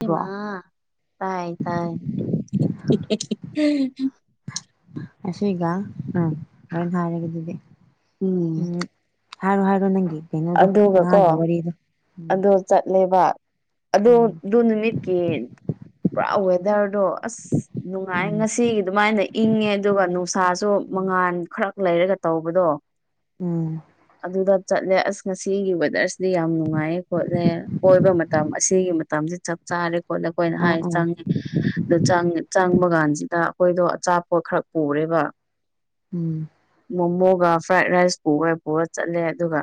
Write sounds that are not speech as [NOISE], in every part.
ꯑꯦꯝꯃꯥ bro ꯇꯥꯏ ꯇꯥꯏ ꯑꯁꯤꯒꯥ ꯎꯝ ꯍꯣꯔꯦꯟ ꯍꯥꯏꯔꯒꯦ ꯑꯗꯨꯗꯤ ꯎꯝ ꯍꯥꯏꯔꯣ ꯍꯥꯏꯔꯣ ꯅꯪꯒꯤꯀꯩꯅꯣꯗꯣ ꯉꯥꯒꯤ ꯋꯥꯔꯤꯗꯣ ꯎꯝ ꯑꯗꯣ ꯆꯠꯂꯦꯕ ꯑꯗꯣ ꯎꯝ ꯑꯗꯨ ꯅꯨꯃꯤꯠ ꯀꯦꯟ ꯄꯨꯔꯥ ꯋꯦꯗꯔꯗꯣ ꯑꯁ ꯅꯨꯡꯉꯥꯏ ꯎꯝ ꯉꯁꯤꯒꯤ ꯑꯗꯨꯃꯥꯏ ꯏꯪꯉꯦ ꯑꯗꯨꯒꯥ ꯅꯨꯡꯁꯥꯁꯨ ꯃꯉꯥꯜ ꯈꯔ ꯂꯩꯔꯒꯥ ꯇꯧꯕꯗꯣ ꯎꯝ ꯑꯗꯨꯗꯥ ꯆꯠꯂꯦ ꯑꯁ ꯉꯁꯤꯒꯤ ꯋꯦꯗꯔꯁꯤꯗꯤ ꯌꯥꯝ ꯅꯨꯡꯉꯥꯏ ꯅꯨꯡꯉꯥꯏꯌꯦ ꯈꯣꯠꯂꯦ ꯀꯣꯏꯕ ꯃꯇꯝ ꯑꯁꯤꯒꯤ ꯃꯇꯝꯁꯤ ꯆꯞ ꯆꯥꯔꯦ ꯈꯣꯠꯂꯦ ꯑꯩꯈꯣꯏꯅ ꯑꯥ ꯍꯥꯏ ꯑꯥ ꯆꯪꯉꯦ ꯑꯗꯨ ꯆꯪ ꯆꯪꯕ ꯀꯥꯟꯁꯤꯗꯥ ꯑꯩꯈꯣꯏꯗꯣ ꯑꯆꯥꯄꯣ ꯈꯔ ꯄꯨꯔꯦꯕ ꯎꯝ ꯃꯣꯃꯣꯒꯥ ꯐ꯭ꯔꯥꯏꯠ ꯔꯥꯏꯁꯄꯨꯕ ꯄꯨꯔ ꯆꯠꯂꯦ ꯑꯗꯨꯒꯥ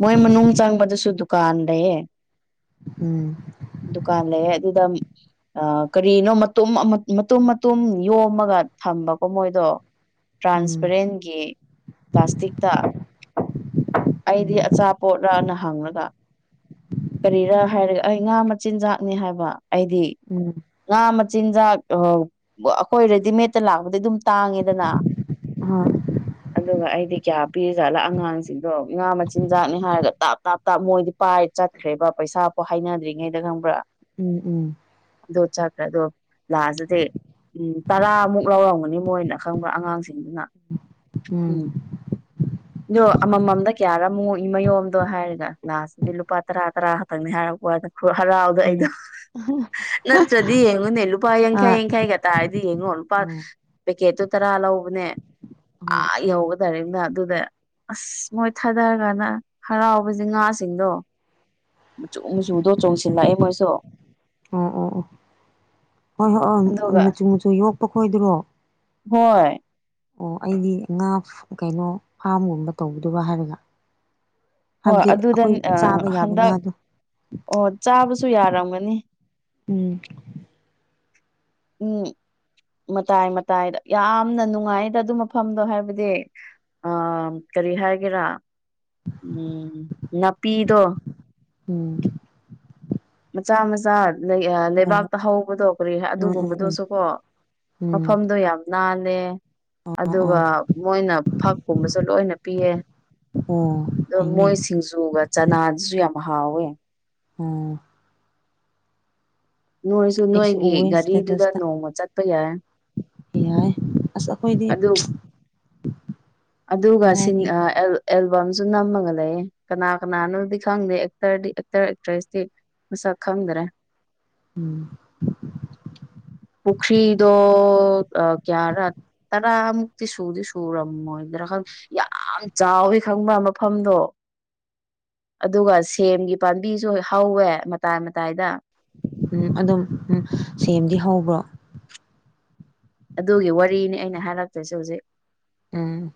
ꯃꯣꯏ ꯃꯅꯨꯡ ꯆꯪꯕꯗꯥꯁꯨ ꯀꯥꯟ ꯂꯩꯌꯦ ꯎꯝ ꯗꯨꯀꯥꯟ ꯂꯩꯌꯦ ꯑꯗꯨꯗꯥ ꯑꯥ ꯀꯔꯤꯅꯣ ꯃꯇꯨꯝ ꯃꯇꯨꯝ ꯃꯇꯨꯝ ꯌꯣꯝꯃꯒꯥ ꯊꯝꯕꯀꯣ ꯃꯣꯏꯗꯣ [INAUDIBLE] ꯇ꯭ꯔꯥꯟꯁꯄꯔꯦꯟꯒꯤ ꯄ꯭ꯂꯥꯁꯇꯤꯛꯇꯥ ꯑꯩꯗꯤ ꯎꯝ ꯑꯆꯥ ꯑꯆꯥꯄꯣꯠꯔꯅ ꯍꯪꯂꯉꯒꯥ ꯀꯔꯤꯔꯥ ꯍꯥꯏꯔꯒꯥ ꯑꯩ ꯉꯥ ꯃꯆꯤꯟꯖꯥꯛꯅꯤ ꯍꯥꯏꯕ ꯑꯩꯗꯤ ꯎꯝ ꯎꯝ ꯉꯥ ꯃꯆꯤꯟꯖꯥꯛ ꯑꯩꯈꯣꯏ ꯔꯦꯗꯤꯃꯦꯗꯠꯇꯥ ꯂꯥꯛꯄꯗꯤ ꯑꯗꯨꯝ ꯇꯥꯡꯉꯦꯗꯅ ꯍꯣꯏ ꯑꯗꯨꯒꯥ ꯑꯩꯗꯤ ꯀꯌꯥ ꯄꯤꯔꯤꯖꯥꯠꯂꯥ ꯑꯉꯥꯡꯁꯤꯡꯗꯣ ꯉꯥ ꯃꯆꯤꯟꯖꯥꯛꯅꯤ ꯍꯥꯏꯔꯒꯥ ꯇꯥꯞ ꯇꯥꯞ ꯇꯥꯞ ꯃꯣꯏꯗꯤ ꯄꯥꯏ ꯆꯠ ꯈꯈ꯭ꯔꯦꯕ ꯄꯩꯁꯥ ꯄꯥꯎ ꯍꯥꯏꯅꯗ꯭ꯔꯤꯉꯩꯗ ꯈꯪꯕ꯭ꯔꯥ ꯎꯝ ꯎꯝ ꯑꯗꯨ ꯆꯠꯈ꯭ꯔꯦ ꯑꯗꯣ ꯂꯥꯁ ꯇꯗꯤ ꯎꯝ ꯇꯔꯥꯃꯨꯛ ꯂꯧꯎꯔꯝꯒꯅꯤ ꯃꯣꯏꯅ ꯑꯈꯪꯕ ꯑꯉꯥꯡꯁꯤꯡꯗꯨꯅ ꯎꯝ [UNINTELLIGIBLE] ꯑꯗꯣ ꯑꯃꯃꯝꯗ ꯀꯌꯥꯔ ꯑꯃꯨꯛꯏ ꯃꯌꯣꯝꯗꯣ ꯍꯥꯏꯔꯒ ꯂꯥꯁꯇꯗꯤ ꯂꯨꯄꯥ ꯇꯔꯥ ꯇꯔꯥ ꯈꯛꯇꯪꯅꯤ ꯍꯥꯏꯔꯛꯄ ꯈꯨꯍꯥꯔꯥꯎꯗꯣ ꯍꯣꯏ ꯎꯝ ꯍꯣꯏ ꯑꯩꯗꯣ ꯅꯠꯇ꯭ꯔꯗꯤ ꯌꯦꯡꯉꯨꯅꯦ ꯂꯨꯄꯥ ꯑꯣ ꯌꯥꯡꯈꯩ ꯌꯥꯡꯈꯩꯒ ꯇꯔꯗꯤ ꯌꯦꯡꯉꯣ ꯂꯨꯄꯥ ꯄꯦꯀꯦꯠꯇꯨ ꯇꯔꯥ ꯂꯧꯕꯅꯦ ꯑꯥ ꯌꯧꯒ ꯊꯥꯗꯔꯤꯝꯅ ꯑꯗꯨꯗꯥ ꯑꯁ ꯃꯣꯏ ꯊꯥꯗꯔꯀꯥꯟꯗꯥ ꯍꯔꯥꯎꯕꯁꯦ ꯉꯥꯁꯤꯡꯗꯣ ꯃꯆꯨ ꯃꯆꯨꯗꯣ ꯆꯣꯡꯁꯤꯜꯂꯛꯑꯦ ꯃꯣꯏꯁꯨ ꯑꯥꯝ ꯑꯥꯝ ꯍꯣꯏ ꯍꯣꯏ ꯑꯣ ꯑꯗꯨꯒ ꯃꯆꯨ ꯃꯆꯨ ꯌꯣꯛꯄ ꯈꯣꯏꯗꯔꯣ ꯍꯣꯏ ꯑꯣ ꯑꯩꯗꯤ ꯉꯥ ꯀꯩꯅꯣ ꯐꯥꯝꯒꯨꯝꯕ ꯇꯧꯕꯗꯨꯔꯥ ꯍꯥꯏꯔꯒꯥ ꯍꯣꯏ ꯍꯥꯏꯕꯗꯤ ꯑꯗꯨꯗ ꯑꯩꯈꯣꯏ ꯆꯥꯕ ꯌꯥꯕ ꯉꯥ ꯍꯟꯗꯛ ꯗꯣ ꯑꯣ ꯆꯥꯕꯁꯨ ꯌꯥꯔꯝꯒꯅꯤ ꯎꯝ ꯎꯝ ꯃꯇꯥꯏ ꯃꯇꯥꯏꯗ ꯌꯥꯝꯅ ꯅꯨꯡꯉꯥꯏꯗ ꯑꯗꯨ ꯃꯐꯝꯗꯣ ꯍꯥꯏꯕꯗꯤ ꯑ ꯀꯔꯤ ꯍꯥꯏꯒꯦꯔꯥ ꯑꯥ ꯅꯥꯄꯤꯗꯣ ꯑꯝ ꯃꯆꯥ ꯃꯆꯥꯥ ꯍꯣꯏ ꯍꯣꯏ ꯂꯩꯕꯥꯛꯇ ꯍꯧꯕꯗꯣ ꯀꯔꯤ ꯎꯝ ꯎꯝ ꯎꯝ ꯑꯗꯨꯒꯨꯝꯕꯗꯨꯁꯨ ꯀꯣ ꯎꯝ ꯃꯐꯝꯗꯣ ꯌꯥꯝ ꯅꯥꯜꯂꯦ ꯑꯣ ꯑꯗꯨꯒ ꯑꯣ ꯃꯣꯏꯅ ꯐꯛꯀꯨꯝꯕꯁꯨ ꯂꯣꯏꯅ ꯄꯤꯌꯦ ꯑꯣ ꯐꯩꯅꯦ ꯑꯗꯨꯒ ꯆꯅꯥꯁꯨ ꯌꯥꯝ ꯍꯥꯎꯋꯦ ꯎꯝ ꯅꯣꯏꯁꯨ ꯑꯩꯁꯨ ꯅꯣꯏꯒꯤ ꯎꯋꯦ ꯒꯥꯔꯤꯗꯨꯗ ꯏꯁꯇꯦꯇꯁꯇ ꯅꯣꯡꯃ ꯆꯠꯄ ꯌꯥꯏ ꯌꯥꯏ ꯑꯁ ꯑꯩꯈꯣꯏꯗꯤ ꯑꯗꯨ ꯑꯗꯨꯒ ꯁꯤ ꯀꯗꯥꯏꯗꯒꯤ ꯑꯦꯜꯕꯥꯝꯁꯨ ꯅꯝꯃꯒ ꯂꯩꯌꯦ ꯀꯅꯥ ꯀꯅꯥꯅꯣꯗꯤ ꯈꯪꯗꯦ ꯑꯦꯛꯇꯔꯗꯤ ꯑꯦꯛꯇꯔ ꯑꯦꯛꯇ꯭ꯔꯦꯁꯇꯤ ꯃꯁꯛ ꯈꯪꯗ꯭ꯔꯦ ꯎꯝ ꯄꯨꯈꯔꯤꯗꯣ ꯀꯌꯥꯔꯥ ꯇꯥꯔꯥ ꯃꯨꯛꯇꯤ ꯁꯨꯗꯤ ꯁꯨꯔꯝꯃꯣꯢꯗ꯭ꯔ ꯈꯪꯗꯦ ꯌꯥꯝ ꯆꯥꯎꯋꯤ ꯈꯪꯕ꯭ꯔ ꯃꯐꯝꯗꯣ ꯑꯗꯨꯒ ꯁꯦꯝꯒꯤ ꯄꯥꯝꯕꯤꯁꯨ ꯍꯍꯧꯋꯦ ꯃꯇꯥꯏ ꯃꯇꯥꯏꯗ ꯎꯝ ꯑꯗꯨꯝ ꯎꯝ ꯁꯦꯝꯗꯤ ꯍꯧꯕ꯭ꯔꯣ ꯑꯗꯨꯒꯤ ꯋꯥꯔꯤꯅꯤ ꯑꯩꯅ ꯍꯥꯏꯔꯛꯇꯣꯏꯁꯦ ꯍꯧꯖꯤꯛ ꯎꯝ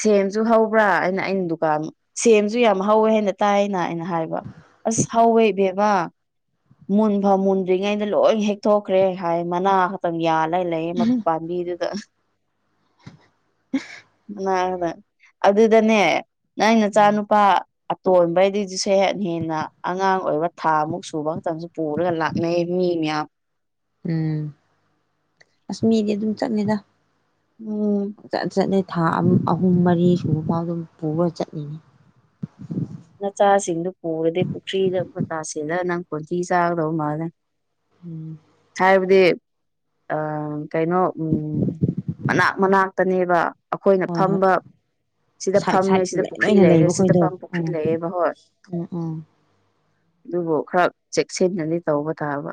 ꯁꯦꯝꯁꯨ ꯍꯧꯕ꯭ꯔꯥ ꯑꯩꯅ ꯑꯩꯅ ꯗꯨꯀꯥꯟ ꯁꯦꯝꯁꯨ ꯌꯥꯝ ꯍꯧꯋꯦ ꯍꯥꯏꯅ ꯇꯥꯏꯅ ꯑꯩꯅ ꯍꯥꯏꯕ ꯑꯁ ꯍꯥꯎꯋꯦ ꯏꯕꯦꯝꯃ ꯃꯨꯟꯐꯝ ꯃꯨꯟꯗ꯭ꯔꯤꯉꯩꯗ ꯂꯣꯏ ꯍꯦꯛꯊꯣꯛꯈ꯭ꯔꯦ ꯍꯥꯏ ꯃꯅꯥ ꯈꯛꯇꯪ ꯌꯥꯜꯂꯦ ꯂꯩꯌꯦꯃ ꯄꯥꯝꯕꯤꯗꯨꯗ ꯃꯅ ꯉꯥꯛꯇ ꯑꯗꯨꯗꯅꯦ ꯅꯪ ꯎꯝ ꯅꯆꯥꯅꯨꯄꯥ ꯑꯇꯣꯟꯕꯩꯗꯤ ꯁꯦꯠ ꯍꯦꯟꯅ ꯑꯉꯥꯡ ꯑꯣꯏꯕ ꯊꯥꯃꯨꯛ ꯁꯨꯕ ꯃꯇꯝꯁꯨ ꯄꯨꯔꯒ ꯂꯥꯛꯅꯩ ꯃꯤ ꯃꯌꯥꯝ ꯎꯝ ꯑꯁ ꯃꯤꯗꯤ ꯑꯗꯨꯝ ꯆꯠꯂꯤꯗ ꯎꯝ ꯆꯠ ꯆꯠꯂꯤ ꯊꯥ ꯑꯍꯨꯝ ꯃꯔꯤ ꯁꯨꯕ ꯐꯥꯎ ꯑꯗꯨꯝ ꯄꯨꯔꯒ ꯆꯠꯂꯤ ꯅꯆꯥꯁꯤꯡꯗꯨ ꯄꯨꯔꯗꯤ ꯄꯨꯈ꯭ꯔꯤꯗ ꯑꯃꯨ ꯇꯥꯁꯤꯜꯂ ꯅꯪ ꯀꯣꯟꯊꯤ ꯆꯥꯒꯗꯧ ꯃꯥꯜꯂꯦ ꯎꯝ ꯍꯥꯏꯕꯗꯤ ꯑ ꯀꯩꯅꯣ ꯃꯅꯥꯛ ꯃꯅꯥ ꯇꯅꯦꯕ ꯑꯩꯈꯣꯏꯅ ꯍꯣꯏ ꯍꯣꯏ ꯐꯝꯕ ꯁꯤꯗ ꯁꯥꯏꯠ ꯐꯝꯃꯦ ꯁꯥꯏꯠ ꯁꯤꯗ ꯄꯨꯈ꯭ꯔꯤ ꯂꯣꯏꯅ ꯂꯩꯔꯦ ꯁꯤꯗ ꯂꯩꯕꯈꯣꯏꯗꯣ ꯐ ꯕꯤꯠꯪꯥ ꯎꯝ ꯂꯩꯌꯦꯕ ꯍꯣꯏ ꯎꯝ ꯎꯝ ꯑꯗꯨꯕꯨ ꯈꯔ ꯆꯦꯛꯁꯤꯟꯅꯗꯤ ꯇꯧꯕ ꯇꯥꯕ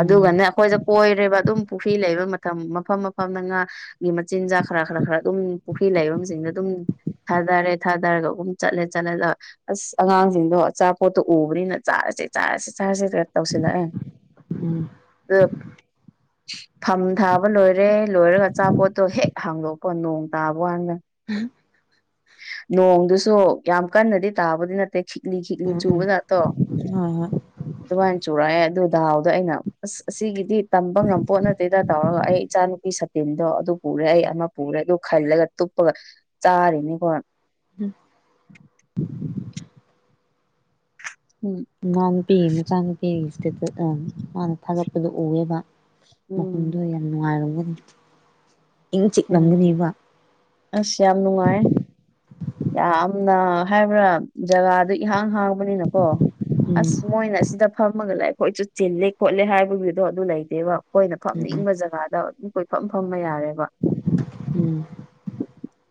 ꯑꯗꯨꯒꯅꯦ ꯑꯩꯈꯣꯏꯗ ꯀꯣꯏꯔꯦꯕ ꯑꯗꯨꯝ ꯄꯨꯈ꯭ꯔꯤ ꯂꯩꯕ ꯃꯇꯝ ꯃꯐꯝ ꯃꯐꯝꯗ ꯉꯥ ꯒꯤ ꯃꯆꯤꯟꯖꯥꯛ ꯈꯔ ꯈꯔ ꯈꯔ ꯑꯗꯨꯝ ꯄꯨꯈ꯭ꯔꯤ ꯂꯥꯏꯕꯝꯁꯤꯡꯗ ꯑꯗꯨꯝ꯫ ꯊꯥꯗꯔꯦ ꯊꯥꯗꯔꯒꯨꯝ ꯆꯠꯂꯦ꯫ ꯆꯠꯂꯦꯗꯣ ꯑꯁ ꯑꯉꯥꯡꯁꯤꯡꯗꯣ ꯑꯆꯥꯄꯣꯠꯇꯣ ꯎꯕꯅꯤꯅ ꯆꯥꯔꯁꯦ ꯆꯥꯔꯁꯦ ꯆꯥꯔꯁꯦ꯫ ꯇꯧꯁꯤꯜꯂꯛꯌꯦ ꯎꯝ ꯎꯝ ꯐꯝ ꯊꯥꯕ ꯂꯣꯏꯔꯦ ꯂꯣꯏꯔꯒ ꯑꯆꯥꯄꯣꯠꯇꯣ ꯍꯦꯛ ꯍꯥꯡꯗꯣꯛꯄ ꯅꯣꯡ ꯇꯥꯕ ꯋꯥꯥꯟꯗ ꯎꯝ ꯅꯣꯡꯗꯨꯁꯨ ꯌꯥꯝ ꯀꯟꯅꯗꯤ ꯇꯥꯕꯗꯤ ꯅꯠꯇꯦ ꯈꯤꯛꯂꯤ ꯈꯤꯛꯂꯤ ꯎꯝ ꯎꯝ ꯆꯨꯕ ꯖꯠꯇꯣ ꯍꯣꯏ ꯍꯣꯏ ꯑꯗꯨꯃꯥꯏꯅ ꯆꯨꯔꯛꯑꯦ ꯑꯗꯨ ꯗꯥꯎꯗꯣ ꯑꯩꯅ ꯑꯁ ꯑꯁꯤꯒꯤꯗꯤ ꯇꯝꯕ ꯉꯝꯕ ꯄꯣꯠ ꯅꯠꯇꯦꯗ ꯇꯧꯔꯒ ꯑꯩ ꯏꯆꯥꯅꯨꯄꯤ ꯁꯥꯇꯤꯟꯗꯣ ꯑꯗꯨ ꯄꯨꯔꯦ ꯑꯩ ꯑꯃ ꯄꯨꯔꯦ ꯑꯗꯨ ꯈꯜꯂꯒ ꯇꯨꯞꯄꯒ ꯆꯥꯔꯤꯅꯤꯀꯣ꯫ ꯎꯝ꯫ ꯎꯝ꯫ ꯏꯅꯥ ꯅꯨꯨꯄꯤꯒꯤ ꯃꯆꯥ ꯅꯨꯨꯄꯤꯒꯤ ꯏꯁꯇꯦ ꯃꯥꯅ ꯊꯥꯒꯠꯄꯗꯣ ꯎꯑꯦꯕ꯫ ꯃꯐꯝꯗꯣ ꯎꯝ ꯌꯥꯝ ꯅꯨꯡꯉꯥꯏꯔꯝꯒꯅꯤ꯫ ꯏꯪ ꯎꯝ꯫ ꯆꯤꯛꯂꯝꯒꯅꯦꯕ ꯑꯁ ꯌꯥꯝ ꯅꯨꯡꯉꯥꯏ ꯌꯥꯝꯅ ꯍꯥꯏꯕ꯭ꯔꯥ꯫ ꯖꯒꯥꯗꯨ ꯏꯍꯥꯡ ꯍꯥꯡꯕꯅꯤꯅꯀꯣ ꯎꯝ ꯑꯁ ꯃꯣꯏꯅ ꯁꯤꯗ ꯐꯝꯃꯒ ꯂꯩ ꯑꯩꯈꯣꯏꯁꯨ ꯆꯤꯜꯂꯦ ꯈꯣꯠꯂꯦ ꯍꯥꯏꯕꯒꯤꯗꯣ ꯑꯗꯨ ꯂꯩꯇꯦꯕ ꯑꯩꯈꯣꯏꯅ ꯎꯝ ꯐꯝꯅꯤꯡꯕ ꯖꯒꯥꯗ ꯑꯗꯨ ꯐꯝ ꯐꯝꯕ ꯌꯥꯔꯦꯕ꯫ ꯎꯝ꯫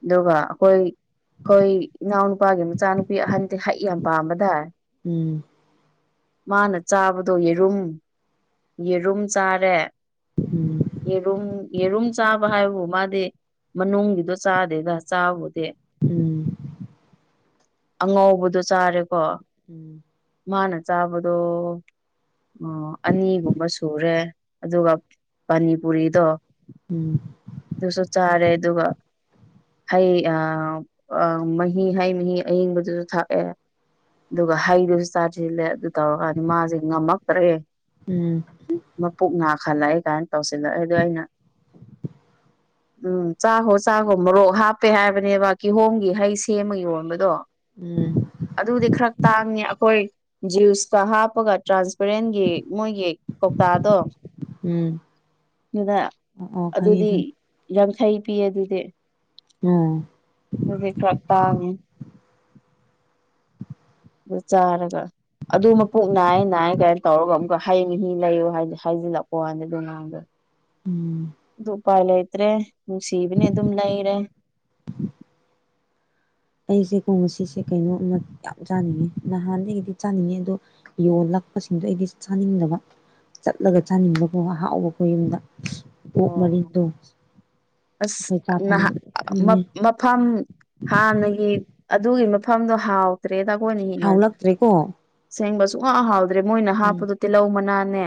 ꯗꯨꯒ ꯑꯩꯈꯣꯏ ꯑꯩꯈꯣꯏ ꯏꯅꯥꯎꯅꯨꯄꯥꯒꯤ ꯃꯆꯥꯅꯨꯄꯤ ꯑꯍꯟꯗꯤ ꯍꯩ ꯌꯥꯝ ꯄꯥꯝꯕꯗꯥꯏ꯫ ꯎꯝ꯫ ꯃꯥꯅ ꯆꯥꯕꯗꯣ ꯌꯦꯔꯨꯝ ꯌꯦꯔꯨꯝ ꯆꯥꯔꯦ꯫ ꯎꯝ꯫ ꯌꯦꯔꯨꯝ ꯌꯦꯔꯨꯝ ꯆꯥꯕ ꯍꯥꯏꯕꯕꯨ ꯃꯥꯗꯤ ꯃꯅꯨꯡꯒꯤꯗꯣ ꯆꯥꯗꯦꯗ ꯆꯥꯕꯨꯗꯤ꯫ ꯎꯝ꯫ ꯑꯉꯧꯕꯗꯣ ꯆꯥꯔꯦꯀꯣ꯫ ꯎꯝ ꯃꯥꯅ ꯆꯥꯕꯗꯣ꯫ ꯑꯣ ꯑꯅꯤꯒꯨꯝꯕ ꯁꯨꯔꯦ ꯑꯗꯨꯒ ꯄꯅꯤꯄꯨꯔꯤꯗꯣ꯫ ꯎꯝ꯫ ꯑꯗꯨꯁꯨ ꯆꯥꯔꯦ ꯑꯗꯨꯒ꯫ ꯍꯩ ꯑ ꯃꯍꯤ ꯍꯩ ꯃꯍꯤ ꯑꯌꯤꯡꯕꯗꯨꯁꯨ ꯊꯥꯛꯑꯦ꯫ ꯑꯗꯨꯒ ꯍꯩꯗꯨꯁꯨ ꯆꯥꯁꯤꯜꯂꯦ ꯑꯗꯨ ꯇꯧꯔꯀꯥꯟꯁꯤ ꯃꯥꯁꯦ ꯉꯝꯃꯛꯇ꯭ꯔꯦ꯫ ꯎꯝ꯫ ꯃꯄꯨꯛ ꯅꯥꯈꯜꯂꯛꯑꯦ ꯀꯥꯏꯅ ꯇꯧꯁꯤꯜꯂꯛꯏꯗꯣ ꯑꯩꯅ꯫ ꯎꯝ ꯆꯥꯛꯒꯣ ꯆꯥꯛꯒꯣ ꯃꯣꯔꯣꯛ ꯍꯥꯞꯄꯦ ꯍꯥꯏꯕꯅꯦꯕ ꯀꯤꯍꯣꯝꯒꯤ ꯍꯩ ꯁꯦꯝꯃ ꯌꯣꯟꯕꯗꯣ꯫ ꯎꯝ꫰꫰ ꯑꯗꯨꯗꯤ ꯈꯔ ꯇꯥꯡꯉꯦ ꯑꯩꯈꯣꯏ꯫ ꯖꯨꯁꯀ ꯍꯥꯞꯄꯒ ꯇ꯭ꯔꯥꯟꯁꯄꯔꯦꯟꯒꯤ ꯃꯣꯏꯒꯤ ꯀꯧꯇꯥꯗꯣ꯫ ꯎꯝ ꯑꯗꯨꯗ ꯑꯣ ꯑꯣ ꯈꯪꯉꯦ ꯑꯗꯨꯗꯤ ꯈꯪꯉꯦ ꯌꯥꯡꯈꯩ ꯄꯤꯌꯦ ꯑꯗꯨꯗꯤ꯫ ꯎꯝ꯫ ꯗꯨꯗꯤ ꯈꯔ ꯇꯥꯡꯉꯤ꯫ ꯆꯔꯒ꯫ ꯑꯗꯨ ꯃꯄꯨꯛ ꯅꯥꯏꯌꯦ ꯅꯥꯏꯌꯦ ꯀꯥꯏꯅ ꯇꯧꯔꯒ ꯑꯃꯨꯛꯀ ꯍꯩ ꯃꯍꯤ ꯂꯩꯌꯨ ꯍꯥꯏ ꯍꯥꯏꯖꯤꯜꯂꯛꯄꯋꯥꯅꯦ ꯑꯗꯨ ꯉꯥꯡ ꯗꯣ꯫ ꯎꯝ꯫ ꯑꯗꯨ ꯎꯄꯥꯏ ꯂꯩꯇ꯭ꯔꯦ ꯅꯨꯡꯁꯤꯕꯅꯦ ꯑꯗꯨꯝ ꯂꯩꯔꯦ꯫ ꯑꯩꯁꯦꯀꯣ ꯉꯁꯤꯁꯦ ꯀꯩꯅꯣꯃ ꯌꯥꯝ ꯆꯥꯅꯤꯡꯉꯦ ꯅꯍꯥꯟꯗꯒꯤꯗꯤ ꯆꯥꯅꯤꯡꯉꯦ ꯑꯗꯣ꯫ ꯌꯣꯜꯂꯛꯄꯁꯤꯡꯗꯣ ꯑꯩꯗꯤ ꯆꯥꯅꯤꯡꯗꯕ꯫ ꯆꯠꯂꯒ ꯆꯥꯅꯤꯡꯕꯀꯣ ꯑꯍꯥꯎꯕꯀꯣ ꯌꯨꯝꯗ ꯑꯣꯛ ꯑꯣ ꯃꯔꯤꯗꯣ꯫ ꯑꯁ ꯅꯍ ꯃꯞ ꯆꯠꯅꯤꯡꯉꯦ ꯃꯞ꯫ ꯃꯐꯝ ꯍꯥꯟꯅꯒꯤ ꯑꯗꯨꯒꯤ ꯃꯐꯝꯗꯣ ꯍꯥꯎ꯫ ꯇꯔꯦꯗ ꯀꯣꯅꯤ ꯏꯅ꯫ ꯍꯥꯎꯂꯛꯇ꯭ꯔꯦꯀꯣ ꯁꯦꯡꯕ ꯁꯨꯡꯍꯥꯎ ꯍꯥꯎꯗ꯭ꯔꯦ ꯃꯣꯏꯅ ꯎꯝ ꯍꯥꯞꯄꯗꯣ ꯇꯤꯜꯍꯧ ꯃꯅꯥꯅꯦ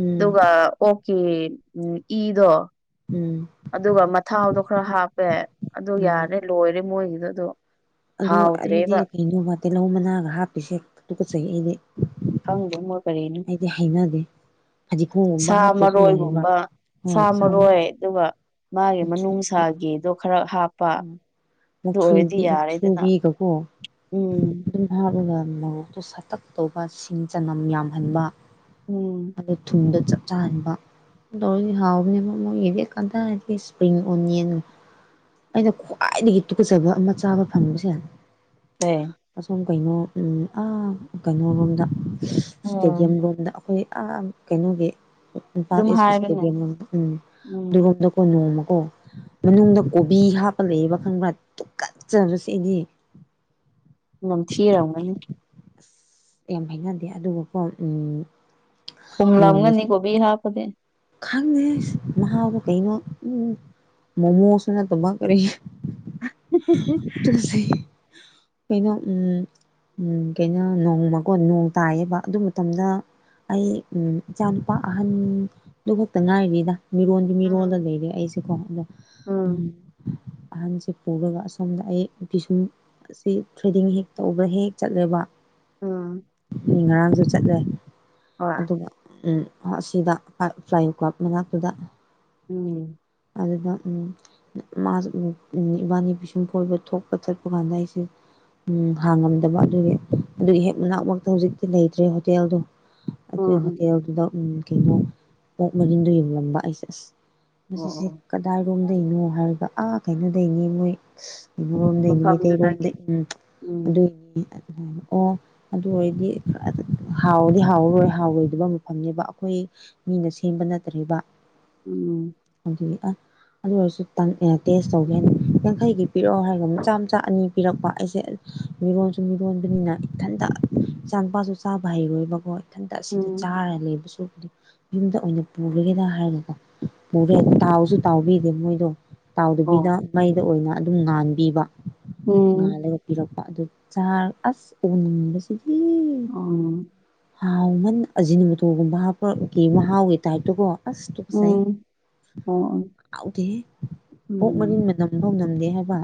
ꯎꯝ ꯑꯗꯨꯒ꯫ ꯑꯣꯛꯀꯤ ꯏꯗꯣ꯫ ꯎꯝ꯫ ꯑꯗꯨꯒ ꯃꯊꯥꯎꯗꯣ ꯈꯔ ꯍꯥꯞꯄꯦ ꯑꯗꯨ ꯎꯝ ꯌꯥꯔꯦ ꯂꯣꯏꯔꯦ ꯃꯣꯏꯒꯤꯗꯣ ꯑꯗꯣ꯫ ꯑꯗꯨ ꯑꯩꯗꯤ ꯍꯥꯎꯗ꯭ꯔꯦꯕ ꯀꯩꯅꯣꯕ ꯇꯤꯍꯧ ꯃꯅꯥꯒ ꯍꯥꯞꯄꯤꯁꯦ ꯇꯨ ꯀꯠꯆꯩ ꯑꯩꯗꯤ꯫ ꯈꯪꯗꯦ ꯃꯣꯏ꯫ ꯀꯔꯤꯅꯣ ꯑꯩꯗꯤ ꯍꯩꯅꯗꯦ꯫ ꯐꯗꯤꯒꯣꯝꯒꯨꯝꯕ ꯁꯥ ꯍꯥꯞꯄꯁꯨ ꯌꯥꯏꯕ ꯃꯔꯣꯏꯒꯨꯝꯕ ꯁꯥ ꯍꯣꯏ ꯁꯥꯃꯨꯛ ꯃꯔꯣꯏ ꯑꯗꯨꯒ꯫ ꯃꯥꯒꯤ ꯃꯅꯨꯡꯁꯥꯒꯤꯗꯣ ꯈꯔ ꯍꯥꯞꯄ꯫ ꯑꯗꯨ ꯃꯨꯊ꯭ꯨꯔꯤ ꯑꯣꯏꯔꯗꯤ ꯌꯥꯔꯦꯗꯅ ꯃꯨꯊ꯭ꯔꯨꯕꯤꯒꯀꯣ꯫ ꯎꯝ ꯑꯗꯨꯝ ꯍꯥꯏꯂꯒ ꯃꯣꯔꯣꯛꯇꯨ ꯁꯇꯛ ꯇꯧꯕ ꯁꯤꯡ ꯆꯅꯝ ꯌꯥꯝꯍꯟꯕ꯫ ꯎꯝ ꯑꯗꯣ ꯊꯨꯝꯗꯣ ꯆꯄ꯫ ꯆꯥꯟꯕ ꯑꯗꯨ ꯇꯧꯔꯗꯤ ꯍꯥꯎꯕꯅꯦꯕ ꯃꯣꯏꯒꯤꯗꯤ ꯀꯗꯩꯗꯩ ꯏꯁꯄ꯭ꯔꯤꯡ ꯑꯣꯅꯤꯌꯟꯅꯣ꯫ ꯑꯩꯅ ꯈ꯭ꯋꯥꯏꯗꯒꯤ ꯇꯨꯀꯆꯕ ꯑꯃ ꯆꯥꯕ ꯐꯪꯕꯁꯦ꯫ ꯍꯣꯢ꯫ ꯑꯁꯣꯝ ꯀꯩꯅꯣ ꯎ ꯑ ꯀꯩꯅꯣ ꯂꯣꯝꯗ ꯎꯝ ꯏꯁꯇꯦꯗꯤꯌꯝ ꯂꯣꯝꯗ꯫ ꯑꯩꯈꯣꯏ ꯑ ꯀꯩꯅꯣꯒꯤ ꯏꯝꯐꯥꯜ ꯑꯗꯨꯝ ꯏꯁꯀꯤ ꯏꯁꯇꯦꯗꯤ ꯍꯥꯏꯔꯅꯦ ꯎꯝ [UNINTELLIGIBLE] ꯀꯣ ꯅꯣꯝꯃꯀꯣ ꯃꯅꯨꯡꯗ ꯀꯣꯕꯤ ꯍꯥꯞꯄ ꯂꯩꯌꯦꯕ ꯈꯪꯕ꯭ꯔꯥ ꯇꯨꯀꯠꯆꯕꯁꯦ ꯑꯩꯗꯤ꯫ ꯅꯝꯊꯤꯔꯝꯒꯅꯤ꯫ ꯑꯁ ꯌꯥꯝ ꯍꯥꯏꯅꯗꯦ ꯑꯗꯨꯒꯀꯣ ꯎꯝ꯫ ꯄꯨꯝꯂꯝꯒꯅꯤ ꯀꯣꯕꯤ ꯍꯥꯞꯄꯗꯤ꯫ ꯈꯪꯉꯦ ꯃꯥꯎꯕꯨ ꯀꯩꯅꯣ ꯎꯝ ꯃꯣꯃꯣꯁꯨ ꯅꯠꯇꯕ ꯀꯔꯤ꯫ ꯇꯨꯒꯠꯆꯩ ꯀꯩꯅꯣ ꯎꯝ꯫ ꯎꯝ ꯀꯩꯅꯣ ꯅꯣꯡꯃꯒꯣ ꯅꯣꯡ ꯇꯥꯏꯌꯦꯕ ꯑꯗꯨ ꯃꯇꯝꯗ꯫ ꯑꯩ ꯎꯝ ꯏꯆꯥꯅꯨꯄꯥ ꯑꯍꯟ꯫ ꯑꯗꯨ ꯈꯛꯇ ꯉꯥꯏꯔꯤꯗ ꯃꯤꯔꯣꯟꯜꯗꯤ ꯎꯝ ꯃꯤꯔꯣꯜꯗ ꯂꯩꯔꯦ ꯑꯩꯁꯦꯀꯣ ꯑꯗꯣ ꯎꯝ꯫ ꯑꯍꯟꯁꯦ ꯄꯨꯔꯒ ꯑꯁꯣꯝꯗ ꯑꯩ ꯅꯨꯄꯤꯁꯨꯡ꯫ ꯑꯁꯤ ꯊ꯭ꯔꯦꯗꯤꯡ ꯍꯦꯛ ꯇꯧꯕ ꯍꯦꯛ ꯆꯠꯂꯦꯕ꯫ ꯎꯝ꯫ ꯃꯤ ꯉꯔꯥꯡꯁꯨ ꯆꯠꯂꯦ ꯍꯣꯏ ꯑꯗꯨꯒ ꯎꯝ ꯑꯁꯤꯗ꯫ ꯐ꯭ꯂꯥꯏꯌꯤꯡ ꯀ꯭ꯂꯕ ꯃꯅꯥꯛꯇꯨꯗ꯫ ꯎꯝ꯫ ꯑꯗꯨꯗ ꯎꯝ꯫ ꯃꯥ ꯏꯕꯥꯅꯤ ꯄꯤꯁꯨꯝ ꯐꯣꯏꯕ ꯊꯣꯛꯄ ꯆꯠꯄ ꯀꯥꯟꯗ ꯑꯩꯁꯦ꯫ ꯎꯝ ꯍꯥꯡꯉꯝꯗꯕ ꯑꯗꯨꯒꯤ ꯑꯗꯨꯒꯤ ꯍꯦꯛ ꯃꯅꯥꯛ ꯃꯛꯇ ꯍꯧꯖꯤꯛꯇꯤ ꯂꯩꯇ꯭ꯔꯦ ꯍꯣꯇꯦꯜꯗꯣ꯫ ꯑꯗꯨ ꯎꯝ ꯎꯝ ꯍꯣꯇꯦꯜꯗꯨꯗ ꯎꯝ ꯀꯩꯅꯣ꯫ ꯄꯣꯛ ꯃꯔꯤꯟꯗꯣ ꯌꯣꯂꯝꯕ ꯑꯩꯁꯦ ꯑꯁ ꯑꯣ ꯃꯁꯤꯁꯦ꯫ ꯑꯣ ꯀꯗꯥꯏꯔꯣꯝꯗꯩꯅꯣ ꯍꯥꯏꯔꯒ ꯑꯥ ꯀꯩꯅꯣꯗꯩꯅꯤ ꯃꯣꯏ꯫ ꯏꯃꯣꯝꯗꯩꯗꯤ ꯃꯩꯇꯩꯔꯣꯝꯗ ꯃꯐꯝꯗꯨꯗꯒꯤ ꯎꯝ ꯎꯝ ꯑꯗꯨꯏꯅꯤ ꯑꯗꯨ ꯑꯣ꯫ ꯑꯗꯨ ꯑꯣꯏꯔꯗꯤ ꯍꯥꯎꯗꯤ ꯍꯥꯎꯔꯔꯣꯏ ꯍꯥꯎꯔꯣꯏꯗꯕ ꯃꯐꯝꯅꯦꯕ ꯑꯩꯈꯣꯏ꯫ ꯃꯤꯅ ꯁꯦꯝꯕ ꯅꯠꯇ꯭ꯔꯦꯔꯤꯕ꯫ ꯎꯝ ꯑ ꯑꯗꯨ ꯑꯣꯏꯔꯁꯨ ꯇꯦꯁ ꯇꯧꯒꯦꯅ ꯌꯥꯡꯈꯩꯒꯤ ꯄꯤꯔꯛꯑꯣ ꯍꯥꯏꯔꯒ ꯃꯆꯥ ꯃꯆꯥ ꯑꯅꯤ ꯄꯤꯔꯛꯄ ꯑꯩꯁꯦ ꯃꯤꯔꯣꯟꯁꯨ ꯃꯤꯔꯣꯟꯕꯅꯤꯅ ꯏꯊꯟꯇ ꯏꯆꯥ ꯅꯨꯄꯥꯁꯨ ꯆꯥꯕ ꯍꯩꯔꯣꯏꯕꯀꯣ ꯏꯊꯟꯇ ꯑꯁꯤꯗ ꯎꯝ ꯆꯥꯔ ꯂꯩꯕꯁꯨ ꯌꯨꯝꯗ ꯑꯣꯏꯅ ꯄꯨꯔꯒꯦꯗ ꯍꯥꯏꯔꯗꯣ ꯄꯨꯔꯦ ꯇꯥꯎꯁꯨ ꯇꯥꯎꯕꯤꯗꯦ ꯃꯣꯏꯗꯣ ꯇꯥꯎꯗꯕꯤꯗ ꯑꯣ ꯃꯩꯗ ꯑꯣꯏꯅ ꯑꯗꯨꯝ ꯉꯥꯟꯕꯤꯕ ꯎꯝ ꯉꯥꯜꯂꯒ ꯄꯤꯔꯛꯄ ꯑꯗꯨ ꯆꯥꯔ ꯑꯁ ꯎꯅꯤꯡꯕꯁꯤꯗꯤ ꯎꯝ ꯍꯥꯎꯃꯟ ꯑꯖꯤꯟꯃꯣꯇꯣꯒꯨꯝꯕ ꯍꯥꯞꯄꯒꯤ ꯃꯍꯥꯎꯒꯤ ꯇꯥꯏꯞꯇꯀꯣ ꯑꯁ ꯇꯨꯀꯠꯆꯩ ꯎꯝ ꯑꯣ ꯍꯥꯎꯇꯦꯍꯦ ꯑꯣꯛ ꯎꯝ ꯃꯔꯤꯟ ꯃꯅꯝ ꯫ [UNINTELLIGIBLE] ꯅꯝꯗꯦ ꯍꯥꯏꯕ꯫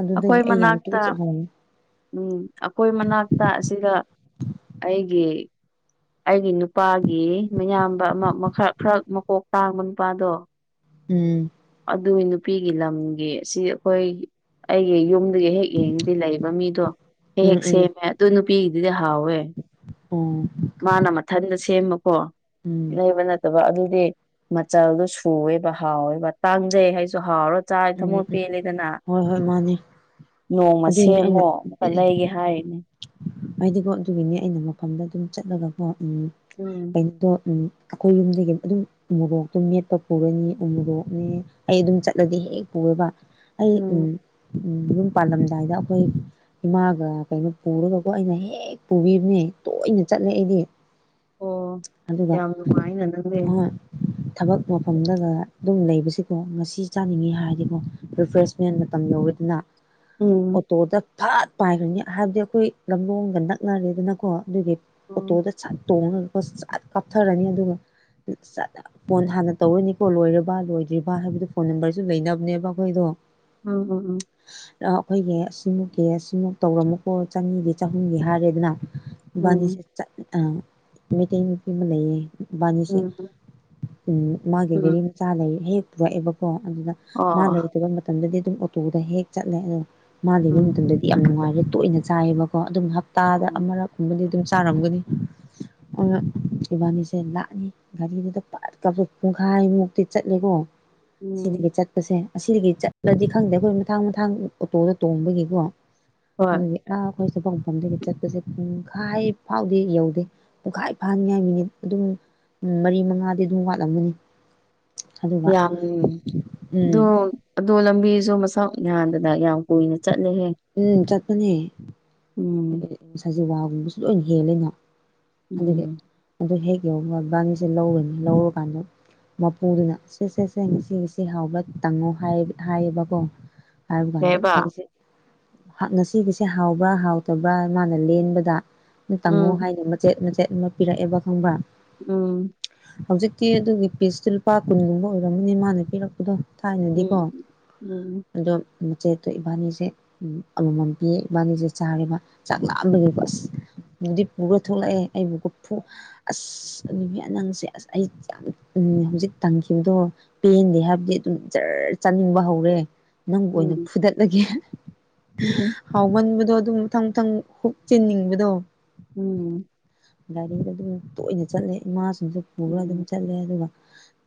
ꯑꯗꯨꯗꯒꯤ ꯑꯩꯈꯣꯏ ꯑꯩ ꯌꯥꯝ ꯃꯅꯥꯛꯇ ꯇꯨꯀꯠꯆꯕꯅꯤ ꯎꯝ ꯑꯩꯈꯣꯏ ꯃꯅꯥꯛꯇ ꯑꯁꯤꯗ꯫ ꯑꯩꯒꯤ ꯑꯩꯒꯤ ꯅꯨꯞ꯫ ꯅꯨꯄꯥꯒꯤ ꯃꯌꯥꯝꯕ ꯑꯃ ꯈꯔ ꯈꯔ ꯃꯀꯣꯛ ꯇꯥꯡꯕ ꯅꯨꯄꯥꯗꯣ꯫ ꯎꯝ꯫ ꯑꯗꯨꯏ ꯅꯨꯄꯤꯒꯤ ꯂꯝꯒꯤ ꯁꯤ ꯑꯩꯈꯣꯏ ꯑꯩꯒꯤ ꯌꯨꯝ꯫ ꯑꯗꯨꯒꯤ ꯍꯦꯛ ꯌꯦꯡꯉꯤꯗꯤ ꯂꯩꯕ ꯃꯤꯗꯣ ꯍꯦꯛ ꯎꯝ ꯍꯦꯛ ꯎꯝ ꯁꯦꯝꯃꯦ ꯑꯗꯨ ꯅꯨꯄꯤꯒꯤꯗꯨꯗꯤ ꯍꯥꯎꯋꯦ꯫ ꯎꯝ꯫ ꯃꯥꯅ ꯃꯊꯟꯇ ꯁꯦꯝꯕꯀꯣ ꯎꯝ ꯂꯩꯕ ꯅꯠ ꯕ ꯑꯗꯨꯗꯤ ꯃꯆꯜꯗꯨ ꯁꯨꯋꯦꯕ ꯍꯥꯎꯋꯦꯕ ꯇꯥꯡꯖꯩ ꯍꯥꯏꯁꯨ ꯍꯥꯎꯔꯣꯏ ꯆꯥ ꯎꯝ ꯊꯃꯛ ꯎꯝ ꯄꯦꯜꯂꯤꯗꯅ ꯍꯣꯏ ꯍꯣꯏ ꯃꯥꯅꯦ ꯅꯣꯡꯃ ꯑꯗꯨꯏꯅꯦ ꯑꯩꯅ ꯁꯦꯝꯃꯨ ꯑꯃꯨꯛꯀ ꯂꯩꯒꯦ ꯍꯥꯏꯅꯦ ꯍꯥꯏꯗꯤꯀꯣ ꯑꯗꯨꯒꯤꯅꯦ ꯑꯩꯅ ꯃꯐꯝꯗ ꯑꯗꯨꯝ ꯆꯠꯂꯒꯀꯣ ꯎꯝ ꯎꯝ ꯀꯩꯅꯣꯗꯣ ꯑꯩꯈꯣꯏ ꯌꯨꯝꯗꯒꯤ ꯑꯗꯨꯝ ꯎꯃꯣꯔꯣꯛꯇꯣ ꯃꯦꯠꯄ ꯄꯨꯔꯅꯤ ꯎꯃꯣꯔꯣꯛꯅꯦ ꯑꯩ ꯑꯗꯨꯝ ꯆꯠꯂꯗꯤ ꯍꯦꯛ ꯄꯨꯌꯦꯕ ꯑꯩ ꯎꯝ ꯌꯨꯝ ꯄꯥꯜꯂꯝꯗꯥꯏꯗ ꯑꯩꯈꯣꯏ ꯏꯃꯥꯒ ꯀꯩꯅꯣ ꯄꯨꯔꯒ ꯀꯣ ꯑꯩꯅ ꯍꯦꯛ ꯄꯨꯕꯤꯕꯅꯦ ꯇꯣꯏꯅ ꯆꯠꯂꯦ ꯑꯩꯗꯤ ꯑꯣ ꯑꯗꯨꯒ ꯌꯥꯝ ꯅꯨꯡꯉꯥꯏꯅ ꯅꯪꯗꯤ ꯎꯝ ꯊꯕꯛ ꯃꯐꯝꯗꯒ ꯑꯗꯨꯝ ꯂꯩꯕꯁꯤꯀꯣ ꯉꯁꯤ ꯆꯥꯅꯤꯡꯉꯤ ꯍꯥꯏꯔꯗꯤꯀꯣ ꯔꯤꯐ꯭ꯔꯦꯁ ꯁꯦꯟ ꯃꯇꯝ ꯌꯧꯕꯗꯅ ꯑꯣꯝ ꯑꯣꯇꯣꯗ ꯐꯥꯠ ꯄꯥꯏꯈ꯭ꯔꯅꯤ ꯍꯥꯏꯕꯗꯤ ꯑꯩꯈꯣꯏ ꯂꯝꯂꯣꯡꯒ ꯅꯛꯅꯔꯦꯗꯅꯀꯣ ꯑꯗꯨꯒꯤ ꯎꯝ ꯑꯣꯇꯣꯗ ꯆꯠ ꯇꯣꯡꯉ ꯆ ꯀꯥꯞꯊꯔꯅꯤ ꯑꯗꯨꯒ ꯐꯣꯟ ꯍꯥꯟꯅ ꯇꯧꯔꯅꯤꯀꯣ ꯂꯣꯏꯔꯕ ꯂꯣꯏꯗ꯭ꯔꯤꯕ ꯍꯥꯏꯕꯗꯨ ꯐꯣꯟ ꯅꯝꯕꯔꯁꯨ ꯂꯩꯅꯕꯅꯦꯕ ꯑꯩꯈꯣꯏꯗꯣ ꯑꯝ ꯍꯝ ꯑꯩꯈꯣꯏꯒꯤ ꯁꯤꯃꯨꯛꯀꯤ ꯁꯤꯃꯨꯛ ꯇꯧꯔꯝꯃꯨꯀꯣ ꯆꯅꯤꯒꯤ ꯆꯍꯨꯝꯒꯤ ꯍꯥꯏꯔꯦꯗꯅ ꯎꯝ ꯏꯕꯥꯅꯤꯁꯦ ꯆꯠ ꯑ ꯃꯩꯇꯩ ꯅꯨꯄꯤ ꯑꯃ ꯂꯩꯌꯦ ꯏꯕꯥꯅꯤꯁꯦ ꯎꯝ ꯎꯝ ꯎꯝ ꯃꯥꯒꯤ ꯎꯝ ꯒꯔꯤ ꯃꯆꯥ ꯂꯩ ꯍꯦꯛ ꯄꯨꯔꯛꯑꯦꯕꯀꯣ ꯑꯗꯨꯅ ꯃꯥ ꯑꯣ ꯂꯩꯇꯕ ꯃꯇꯝꯗꯗꯤ ꯑꯗꯨꯝ ꯑꯣꯇꯣꯗ ꯍꯦꯛ ꯆꯠꯂꯦ ꯑꯗꯣ ꯃꯥ ꯂꯩꯕ ꯎꯝ ꯃꯇꯝꯗꯗꯤ ꯌꯥꯝ ꯅꯨꯡꯉꯥꯏꯔꯦ ꯇꯣꯏꯅ ꯆꯥꯏꯑꯕꯀꯣ ꯑꯗꯨꯝ ꯍꯞꯇꯥꯗ ꯎꯝ ꯑꯃꯔꯛꯒꯨꯝꯕꯗꯤ ꯑꯗꯨꯝ ꯇꯔꯝꯒꯗꯤ ꯏꯕꯥꯅꯤꯁꯦ ꯂꯥꯛꯅꯤ ꯒꯥꯔꯤꯗꯨꯗ ꯄꯠ ꯀ ꯄꯨꯡꯈꯥꯏꯃꯨꯛꯇꯤ ꯆꯠꯂꯦꯀꯣ ꯎꯝ ꯁꯤꯗꯒꯤ ꯆꯠꯄꯁꯦ ꯑꯁꯤꯗꯒꯤ ꯗꯗꯤ ꯈꯪꯗꯦ ꯑꯩꯈꯣꯏ ꯃꯊꯥꯡ ꯃꯊꯥꯡ ꯑꯣꯇꯣꯗ ꯇꯣꯡꯕꯒꯤꯀꯣ ꯍꯣꯏ ꯑꯗꯨꯒꯤ ꯑꯩꯈꯣꯏ ꯁꯐꯝꯐꯝꯗꯒꯤ ꯆꯠꯄꯁꯦ ꯄꯨꯡꯈꯥꯏ ꯐꯥꯎꯗꯤ ꯌꯧꯗꯦ ꯄꯨꯡꯈꯥꯏ ꯐꯥꯅꯤꯉꯥꯏ ꯃꯤꯅꯤꯠ ꯑꯗꯨꯝ ꯃꯔꯤ ꯃꯉꯥꯗꯤ ꯑꯗꯨꯝ ꯋꯥꯠꯂꯝꯃꯅꯤ ꯌꯥꯝ ꯎꯝ ꯑꯗꯣ ꯑꯗꯣ ꯂꯝꯕꯤꯁꯨ ꯃꯁꯛ ꯌꯥꯟꯗꯅ ꯌꯥꯝ ꯀꯨꯏꯅ ꯆꯠꯂꯦꯍꯦ ꯎꯝ ꯆꯠꯄꯅꯤ ꯎꯝ ꯖꯤꯔꯥ ꯋꯥꯒꯨꯝꯕꯁꯨ ꯂꯣꯏꯅ ꯍꯦꯜꯂꯦꯅ ꯑꯗꯨꯗꯤ ꯎꯝ ꯑꯗꯨ ꯍꯦꯛ ꯌꯧꯕꯒ ꯢꯕꯅꯤꯁꯦ ꯂꯧꯔꯅꯤ ꯂꯧꯔꯨꯀꯥꯟꯗ ꯃꯄꯨꯗꯨꯅ ꯁꯦ ꯁꯦ ꯁꯦ ꯉꯁꯤ ꯉꯁꯤ ꯍꯥꯎꯕ ꯇꯪꯉꯣ ꯍꯥꯏ ꯍꯥꯢꯌꯦꯕꯀꯣ ꯍꯥꯏꯔꯕꯒꯥꯟꯗꯦ ꯀꯩꯕ ꯑꯩꯁꯦ ꯉꯁꯤꯒꯤꯁꯦ ꯍꯥꯎꯕ꯭ꯔꯥ ꯍꯥꯎꯇꯕ꯭ꯔꯥ ꯃꯥꯅ ꯂꯦꯟꯕꯗꯅ ꯇꯪꯉꯨ ꯎꯝ ꯍꯥꯏꯅ ꯆꯦꯠ ꯃꯆꯦꯠ ꯑꯃ ꯄꯤꯔꯛꯑꯦꯕ ꯈꯪꯕ꯭ꯔꯥ ꯎꯝ ꯍꯧꯖꯤꯛꯇꯤ ꯑꯗꯨꯒꯤ ꯄꯤꯁꯇꯨ ꯂꯨꯄꯥ ꯀꯨꯟꯒꯨꯝꯕ ꯑꯣꯏꯔꯝꯃꯅꯤ ꯃꯥꯅ ꯄꯤꯔꯛꯄꯗꯣ ꯊꯥꯏꯅꯗꯤꯀꯣ ꯎꯝ ꯎꯝ ꯑꯗꯣ ꯃꯆꯦꯠꯇꯣ ꯏꯕꯥꯅꯤꯁꯦ ꯎ ꯑꯃꯃꯝ ꯄꯤꯑ ꯏꯕꯥꯅꯤꯁꯦ ꯆꯥꯔꯦꯕ ꯆꯥꯛ ꯂꯥꯝꯕꯒꯤꯀꯣꯁ ꯕꯨꯗꯤ ꯄꯨꯒ ꯊꯣꯛꯂꯛꯑꯦ ꯑꯩꯕꯨꯒ ꯑꯁ ꯅꯨꯕꯤ ꯑ ꯅꯪꯁꯦ ꯑꯁ ꯑꯩ ꯌꯥꯝ ꯍꯧꯖꯤꯛ ꯇꯪꯈꯤꯕꯗꯣ ꯄꯦꯟꯗꯦ ꯍꯥꯏꯕꯗꯤ ꯑꯗꯨꯝ ꯖꯔ ꯆꯥꯅꯤꯡꯕ ꯍꯧꯔꯦ ꯅꯪꯕꯨ ꯑꯣꯏꯅ ꯎꯝ ꯐꯨꯗꯠꯂꯒꯦ ꯎꯝ ꯍꯝ ꯍꯥꯎꯃꯟꯕꯗꯣ ꯑꯗꯨꯝ ꯃꯊꯪ ꯃꯊꯪ ꯍꯨꯛ ꯆꯤꯟꯅꯤꯡꯕꯗꯣ ꯎꯝ ꯒꯥꯔꯤꯗ ꯑꯗꯨꯝ ꯇꯣꯏꯅ ꯆꯠꯂꯦ ꯏꯃꯥꯁꯤꯡꯁꯨ ꯄꯨꯈꯔ ꯑꯗꯨꯝ ꯎꯝ ꯆꯠꯂꯦ ꯑꯗꯨꯒ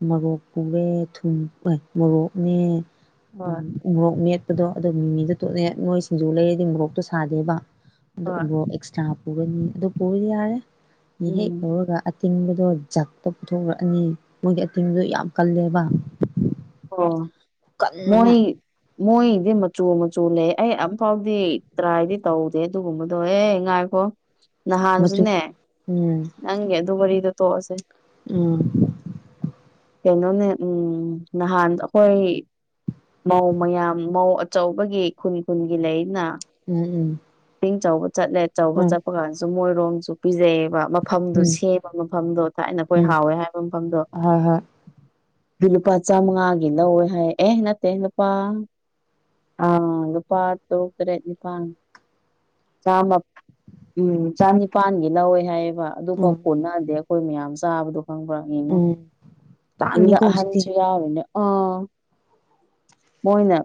ꯃꯣꯔꯣꯛ ꯄꯨꯔꯦ ꯊꯨꯝ ꯐ ꯃꯣꯔꯣꯛꯅꯦ ꯍꯣꯏ ꯎꯝ ꯃꯣꯔꯣꯛ ꯃꯦꯠꯄꯗꯣ ꯑꯗꯨ ꯃꯤꯃꯤꯗꯣ ꯇꯣꯠꯅꯦ ꯅꯣꯏ ꯁꯤꯡꯖꯨ ꯂꯩꯔꯗꯤ ꯃꯣꯔꯣꯛꯇꯣ ꯁꯥꯗꯦꯕ ꯑꯗꯣ ꯍꯣꯏ ꯎꯕꯣꯛ ꯑꯦꯛꯁꯇ꯭ꯔꯥ ꯄꯨꯒꯅꯤ ꯑꯗꯨ ꯄꯨꯕꯗꯤ ꯌꯥꯔꯦ ꯃꯤ ꯍꯦꯛ ꯎꯝ ꯍꯧꯔꯒ ꯑꯇꯤꯡꯕꯗꯣ ꯖꯠꯄ ꯄꯨꯊꯣꯛꯔꯛꯑꯅꯤ ꯃꯣꯏꯒꯤ ꯑꯇꯤꯡꯕꯗ ꯌꯥꯝ ꯀꯜꯂꯦꯕ ꯑꯣ ꯈꯨꯀꯟ ꯑꯃ ꯃꯣꯏ ꯃꯣꯏꯗꯤ ꯃꯆꯨ ꯃꯆꯨ ꯂꯩ ꯑꯩ ꯑꯝꯐꯥꯎꯗꯤ ꯇ꯭ꯔꯥꯏꯗꯤ ꯇꯧꯗꯦ ꯑꯗꯨꯒꯨꯝꯕꯗꯣ ꯑꯦ ꯉꯥꯏ ꯑꯣ ꯃꯆꯨ ꯅꯍꯥꯟꯁꯨꯅꯦ ꯎꯝ ꯅꯪꯒꯤ ꯑꯗꯨ ꯋꯥꯔꯤꯗꯣ ꯇꯣꯛꯑꯁꯦ ꯎꯝ ꯀꯩꯅꯣꯅꯦ ꯎꯝ ꯅꯍꯥꯟ ꯑꯩꯈꯣꯏ ꯃꯧ ꯃꯌꯥꯝ ꯃꯧ ꯑꯆꯧꯕꯒꯤ ꯈꯨꯟ ꯈꯨꯟꯒꯤ ꯂꯩꯅ ꯎꯝ ꯎꯝ ꯄꯤꯡ ꯆꯥꯎꯕ ꯆꯠꯂꯦ ꯑꯆꯧꯕ ꯎꯝ ꯆꯠꯄ ꯀꯥꯟꯗꯁꯨ ꯃꯣꯏꯔꯣꯝꯁꯨ ꯄꯤꯖꯩꯑꯦꯕ ꯃꯐꯝꯗꯣ ꯎꯝ ꯁꯦꯝꯕ ꯃꯐꯝꯗꯣ ꯊꯥꯏꯅ ꯑꯩꯈꯣꯏ ꯎꯝ ꯍꯥꯎꯋꯦ ꯍꯥꯏꯕ ꯃꯐꯝꯗꯣ ꯍꯣꯏ ꯍꯣꯏ ꯑꯗꯨ ꯂꯨꯄꯥ ꯆꯥꯝꯃꯉꯥꯒꯤ ꯂꯧꯋꯦ ꯍꯥꯏ ꯑꯦꯍ ꯅꯠꯇꯦ ꯅꯨꯨꯄꯥ ꯑ ꯅꯨꯄꯥ ꯇꯥꯔꯨꯛ ꯇꯔꯦꯠ ꯅꯤꯄꯥ ꯟ ꯆꯥꯝꯃꯥ ꯎꯝ ꯆꯥꯅꯤꯄꯥꯥꯟꯒꯤ ꯂꯧꯋꯦ ꯍꯥꯏꯌꯦꯕ ꯑꯗꯨꯐꯥꯎ ꯎꯝ ꯀꯣꯟꯅꯗꯦ ꯑꯩꯈꯣꯏ ꯃꯌꯥꯝ ꯆꯥꯕꯗꯣ ꯈꯪꯕ꯭ꯔꯥ ꯌꯦꯡꯉꯣ ꯎꯝ ꯑꯗꯨꯗ ꯇꯥꯡꯉꯦꯀꯣ ꯍꯧꯖꯤꯛꯇꯤ ꯑꯍꯟꯁꯨ ꯌꯥꯎꯔꯤꯅꯦ ꯑ ꯃꯣꯏꯅ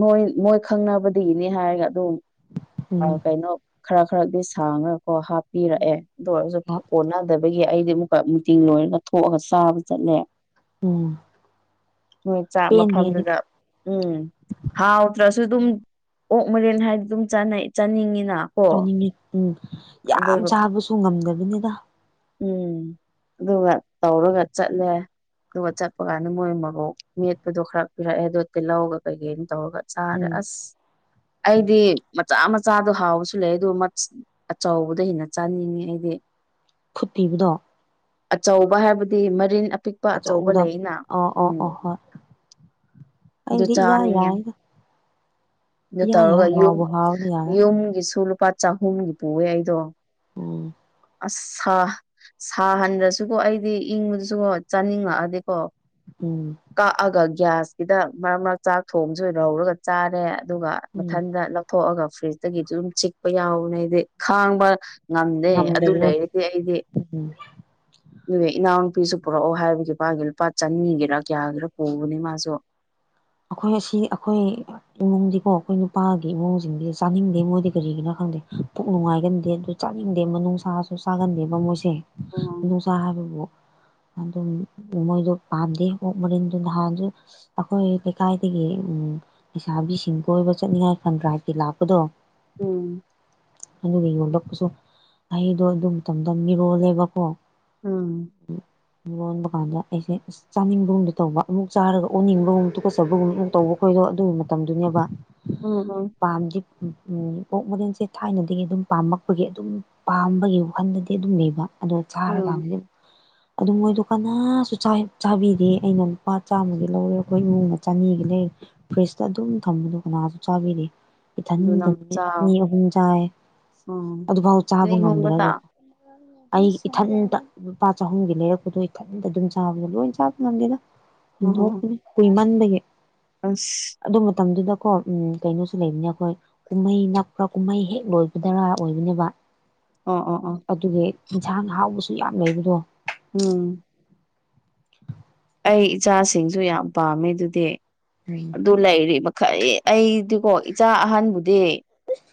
ꯃꯣꯏ ꯃꯣꯏ ꯈꯪꯅꯕꯗꯒꯤꯅꯤ ꯍꯥꯏꯔꯒ ꯑꯗꯨꯝ ꯎꯝ ꯀꯩꯅꯣ ꯈꯔ ꯈꯔꯗꯤ ꯁꯥꯡꯉꯒ ꯀꯣ ꯎꯝ ꯍꯥꯞꯄꯤꯔꯛꯑꯦ ꯑꯗꯨ ꯑꯣꯏꯔꯁꯨ ꯀꯣꯟꯅꯗꯦ ꯗꯕꯒꯤ ꯑꯩꯗꯤ ꯑꯃꯨꯛꯀ ꯃꯤꯇꯤꯡ ꯂꯣꯏꯔꯒ ꯊꯣꯛꯑꯒ ꯆꯥꯕ ꯆꯠꯂꯦ ꯎꯝ ꯆꯥꯛ ꯄꯦꯟꯗꯦ ꯑꯗꯨ ꯃꯐꯝꯗꯨꯗ ꯎꯝ ꯍꯥꯎꯇꯔꯁꯨ ꯑꯗꯨꯝ ꯑꯣꯛ ꯃꯦꯔꯤꯜ ꯍꯥꯏꯗꯤ ꯑꯗꯨꯝ ꯆꯥꯅꯤꯡꯉꯤꯅ ꯀꯣ ꯆꯥꯅꯤꯡꯉꯤ ꯎꯝ ꯌꯥꯝ ꯑꯗꯨꯒ ꯆꯥꯕꯁꯨ ꯉꯝꯗꯕꯅꯤꯗ ꯎꯝ ꯑꯗꯨꯒ ꯇꯧꯔꯒ ꯆꯠꯂꯦ ꯑꯗꯨꯒ ꯆꯠꯄ ꯀꯥꯟꯗ ꯃꯣꯏ ꯃꯔꯣꯛ ꯃꯦꯠꯄꯗꯣ ꯈꯔ ꯄꯤꯔꯛꯑꯦꯗꯣꯠꯇꯤ ꯂꯧꯔꯒ ꯀꯩꯀꯩ ꯇꯧꯔꯒ ꯆꯥꯔꯦ ꯎꯝ ꯑꯁ ꯑꯩꯗꯤ ꯃꯆꯥ ꯃꯆꯥꯗꯣ ꯍꯥꯎꯕꯁꯨ ꯂꯩ ꯑꯗꯨ ꯑꯆꯧꯕꯗ ꯍꯦꯟꯅ ꯆꯥꯅꯤꯡꯉꯦ ꯑꯩꯗꯤ ꯈꯨꯠꯄꯤꯕꯗꯣ ꯑꯆꯧꯕ ꯍꯥꯏꯕꯗꯤ ꯃꯔꯤꯟ ꯑꯄꯤꯛ ꯑꯄꯥ ꯑꯆꯧꯕ ꯑꯆꯧꯕꯗꯣ ꯂꯩꯅ ꯑꯣ ꯑꯣ ꯎꯝ ꯑꯣ ꯍꯣꯏ ꯑꯗꯨ ꯑꯩꯗꯤ ꯏꯌꯥ ꯆꯥꯅꯤꯡꯉꯦ ꯌꯥꯏꯗ ꯑꯗꯨ ꯏꯌꯥ ꯇꯧꯔꯒ ꯌꯥꯏ ꯌꯨꯝ ꯍꯥꯎꯕꯨ ꯍꯥꯎꯔꯗꯤ ꯌꯥꯔꯦ ꯌꯨꯝꯒꯤꯁꯨ ꯂꯨꯄꯥ ꯆꯍꯨꯝꯒꯤ ꯄꯨꯑꯦ ꯑꯩꯗꯣ ꯎꯝ ꯑꯁ ꯁꯥꯍꯟꯗ꯭ꯔꯁꯨꯀꯣ ꯑꯩꯗꯤ ꯏꯪꯕꯗꯨꯁꯨ ꯆꯥꯅꯤꯡꯉꯛꯑꯗꯤꯀꯣ ꯎꯝ ꯀꯛꯑꯒ ꯒ꯭ꯌꯥꯁꯀꯤꯗ ꯃꯔꯛ ꯃꯔꯛ ꯆꯥꯛ ꯊꯣꯡꯕꯁꯨ ꯂꯧ ꯍꯧꯔꯒ ꯆꯥꯔꯦ ꯑꯗꯨꯒ ꯎꯝ ꯃꯊꯟꯗ ꯂꯧ ꯊꯣꯛꯑꯒ ꯐ꯭ꯔꯤꯖꯇꯒꯤꯁꯨ ꯑꯗꯨꯝ ꯆꯤꯛꯄ ꯌꯥꯎꯅꯦ ꯑꯩꯗꯤ ꯈꯥꯡꯕ ꯉꯝꯗꯦ ꯑꯗꯨ ꯉꯝꯗꯕꯗꯣ ꯂꯩꯔꯗꯤ ꯑꯩꯗꯤ ꯎꯝ ꯑꯗꯨꯒ ꯏꯅꯥꯎꯅꯨꯄꯤꯁꯨ ꯄꯨꯔꯛꯑꯣ ꯍꯥꯏꯕꯒꯤ ꯃꯥꯒꯤ ꯂꯨꯄꯥ ꯆꯅꯤꯒꯤꯔꯛ ꯌꯥꯒ꯭ꯔ ꯄꯣꯅꯤ ꯃꯥꯁꯨ ꯑꯩꯈꯣꯏ ꯑꯁꯤ ꯑꯩꯈꯣꯏ ꯏꯃꯨꯡꯗꯤꯀꯣ ꯑꯩꯈꯣꯏ ꯅꯨꯄꯥꯒꯤ ꯏꯃꯨꯡꯁꯤꯡꯗꯤ ꯆꯥꯅꯤꯡꯗꯦ ꯃꯣꯏꯗꯤ ꯀꯔꯤꯒꯤꯅꯣ ꯈꯪꯗꯦ ꯄꯨꯛ ꯅꯨꯡꯉꯥꯏꯒꯟꯗꯦ ꯑꯗꯨ ꯆꯥꯅꯤꯡꯗꯦ ꯃꯅꯨꯡꯁꯥꯁꯨ ꯆꯥꯒꯟꯗꯦꯕ ꯃꯣꯏꯁꯦ ꯎꯝ ꯅꯨꯡꯁꯥ ꯍꯥꯏꯕꯕꯨ ꯑꯗꯨꯝ ꯃꯣꯏꯗꯣ ꯄꯥꯝꯗꯦ ꯑꯣꯛ ꯃꯔꯤꯟꯗꯨ ꯅꯍꯥꯟꯁꯨ ꯑꯩꯈꯣꯏ ꯀꯥꯏꯗꯒꯤ ꯎꯝ ꯂꯩꯁꯥꯕꯤꯁꯤꯡ ꯀꯣꯏꯕ ꯆꯠꯅꯤꯡꯉꯥꯏ ꯐꯟꯗ꯭ꯔꯗꯔꯥꯢꯕ ꯀꯤ ꯂꯥꯛꯄꯗꯣ ꯎꯝ ꯑꯗꯨꯒ ꯌꯣꯜꯂꯛꯄꯁꯨ ꯑꯩꯗꯣ ꯑꯗꯨ ꯇꯝ ꯇꯝ ꯃꯤꯔꯣꯜꯂꯦꯕꯀꯣ ꯑꯝ [INAUDIBLE] ꯂꯣꯟꯕ ꯀꯥꯟꯗ ꯑꯩꯁꯦ ꯑꯁ ꯆꯥꯅꯤꯡꯕꯒꯨꯝꯗ ꯇꯧꯕ ꯑꯃꯨꯛ ꯆꯥꯔꯒ ꯑꯣꯟꯅꯤꯡꯕꯒꯨꯝ ꯀꯠꯆꯕꯒꯨꯝꯕ ꯇꯧꯕ ꯈꯣꯏꯗꯣ ꯑꯗꯨꯒꯤ ꯃꯇꯝꯗꯨꯅꯦꯕ ꯎꯝ ꯎꯝ ꯄꯥꯝꯗꯤ ꯎ ꯎ ꯑꯣꯛ ꯃꯔꯤꯟꯁꯦ ꯊꯥꯏꯅꯗꯒꯤ ꯑꯗꯨꯝ ꯄꯥꯝꯃꯛꯄꯒꯤ ꯑꯗꯨꯝ ꯄꯥꯝꯕꯒꯤ ꯋꯥꯈꯜꯗꯗꯤ ꯑꯗꯨꯝ ꯂꯩꯕ ꯑꯗꯨ ꯎꯝ ꯆꯥꯔꯀꯥꯟꯗꯗꯤ ꯑꯗꯨ ꯃꯣꯏꯗꯣ ꯀꯅꯥꯁꯨ ꯆꯥꯕꯤꯗꯦ ꯑꯩꯅ ꯂꯨꯄꯥ ꯆꯥꯝꯃꯒꯤ ꯂꯧꯔꯦ ꯑꯩꯈꯣꯏ ꯏꯃꯨꯡꯃꯛꯇ ꯆꯅꯤꯒ ꯂꯩ ꯐ꯭ꯔꯤꯖꯇ ꯑꯗꯨꯝ ꯊꯝꯕꯗꯣ ꯀꯅꯥꯁꯨ ꯆꯥꯕꯤꯗ‌ꯦ ꯑꯗꯨ ꯏꯊꯟꯗ ꯅꯪ [INAUDIBLE] ꯑꯅꯤ ꯆꯥꯎ ꯑꯍꯨꯝ ꯆꯥꯏ ꯎꯝ ꯑꯗꯨꯐꯥꯎ ꯆꯥꯕ ꯑꯅꯤ ꯑꯍꯨꯝꯒꯇ ꯉꯝꯗ꯭ꯔꯒꯀꯣ [UNINTELLIGIBLE] ꯑꯩ ꯏꯊꯟꯇ ꯂꯨꯄꯥ ꯆꯍꯨꯝꯒꯤ ꯂꯩꯔꯛꯄꯗꯣ ꯏꯊꯟꯇ ꯑꯗꯨꯝ ꯆꯥꯕꯗꯣ ꯂꯣꯏ ꯆꯥꯕ ꯉꯝꯗꯦꯗ ꯎꯝ ꯎꯝ ꯇꯤꯡꯊ‌ꯣꯛꯄꯅꯤ ꯀꯨꯏꯃꯟꯕꯒꯤ ꯑꯁ ꯑꯗꯨ ꯃꯇꯝꯗꯨꯗꯀꯣ ꯎꯝ ꯀꯩꯅꯣꯁꯨ ꯂꯩꯕꯅꯦ ꯑꯩꯈꯣꯏ ꯀꯨꯝꯍꯩ ꯅꯛꯄ꯭ꯔ ꯀꯨꯝꯍꯩ ꯍꯦꯛ ꯂꯣꯏꯕꯗꯔ ꯑꯣꯏꯕꯅꯦꯕ ꯑꯣ ꯑꯣ ꯑꯣ ꯑꯗꯨꯅ‌ꯦ ꯏꯟꯁꯥꯡ ꯍꯥꯎꯕꯁꯨ ꯌꯥꯝ ꯂꯩꯕꯗꯣ ꯎꯝ ꯑꯩ ꯏꯆꯥꯁꯤꯡꯁꯨ ꯌꯥꯝ ꯄꯥꯝꯃꯦ ꯑꯗꯨꯗꯤ [INAUDIBLE] ꯑꯗꯨ ꯂꯩꯔꯤ ꯃꯈꯩ ꯑꯩꯗꯤꯀꯣ ꯏꯆꯥ ꯑꯍꯟꯕꯨꯗꯤ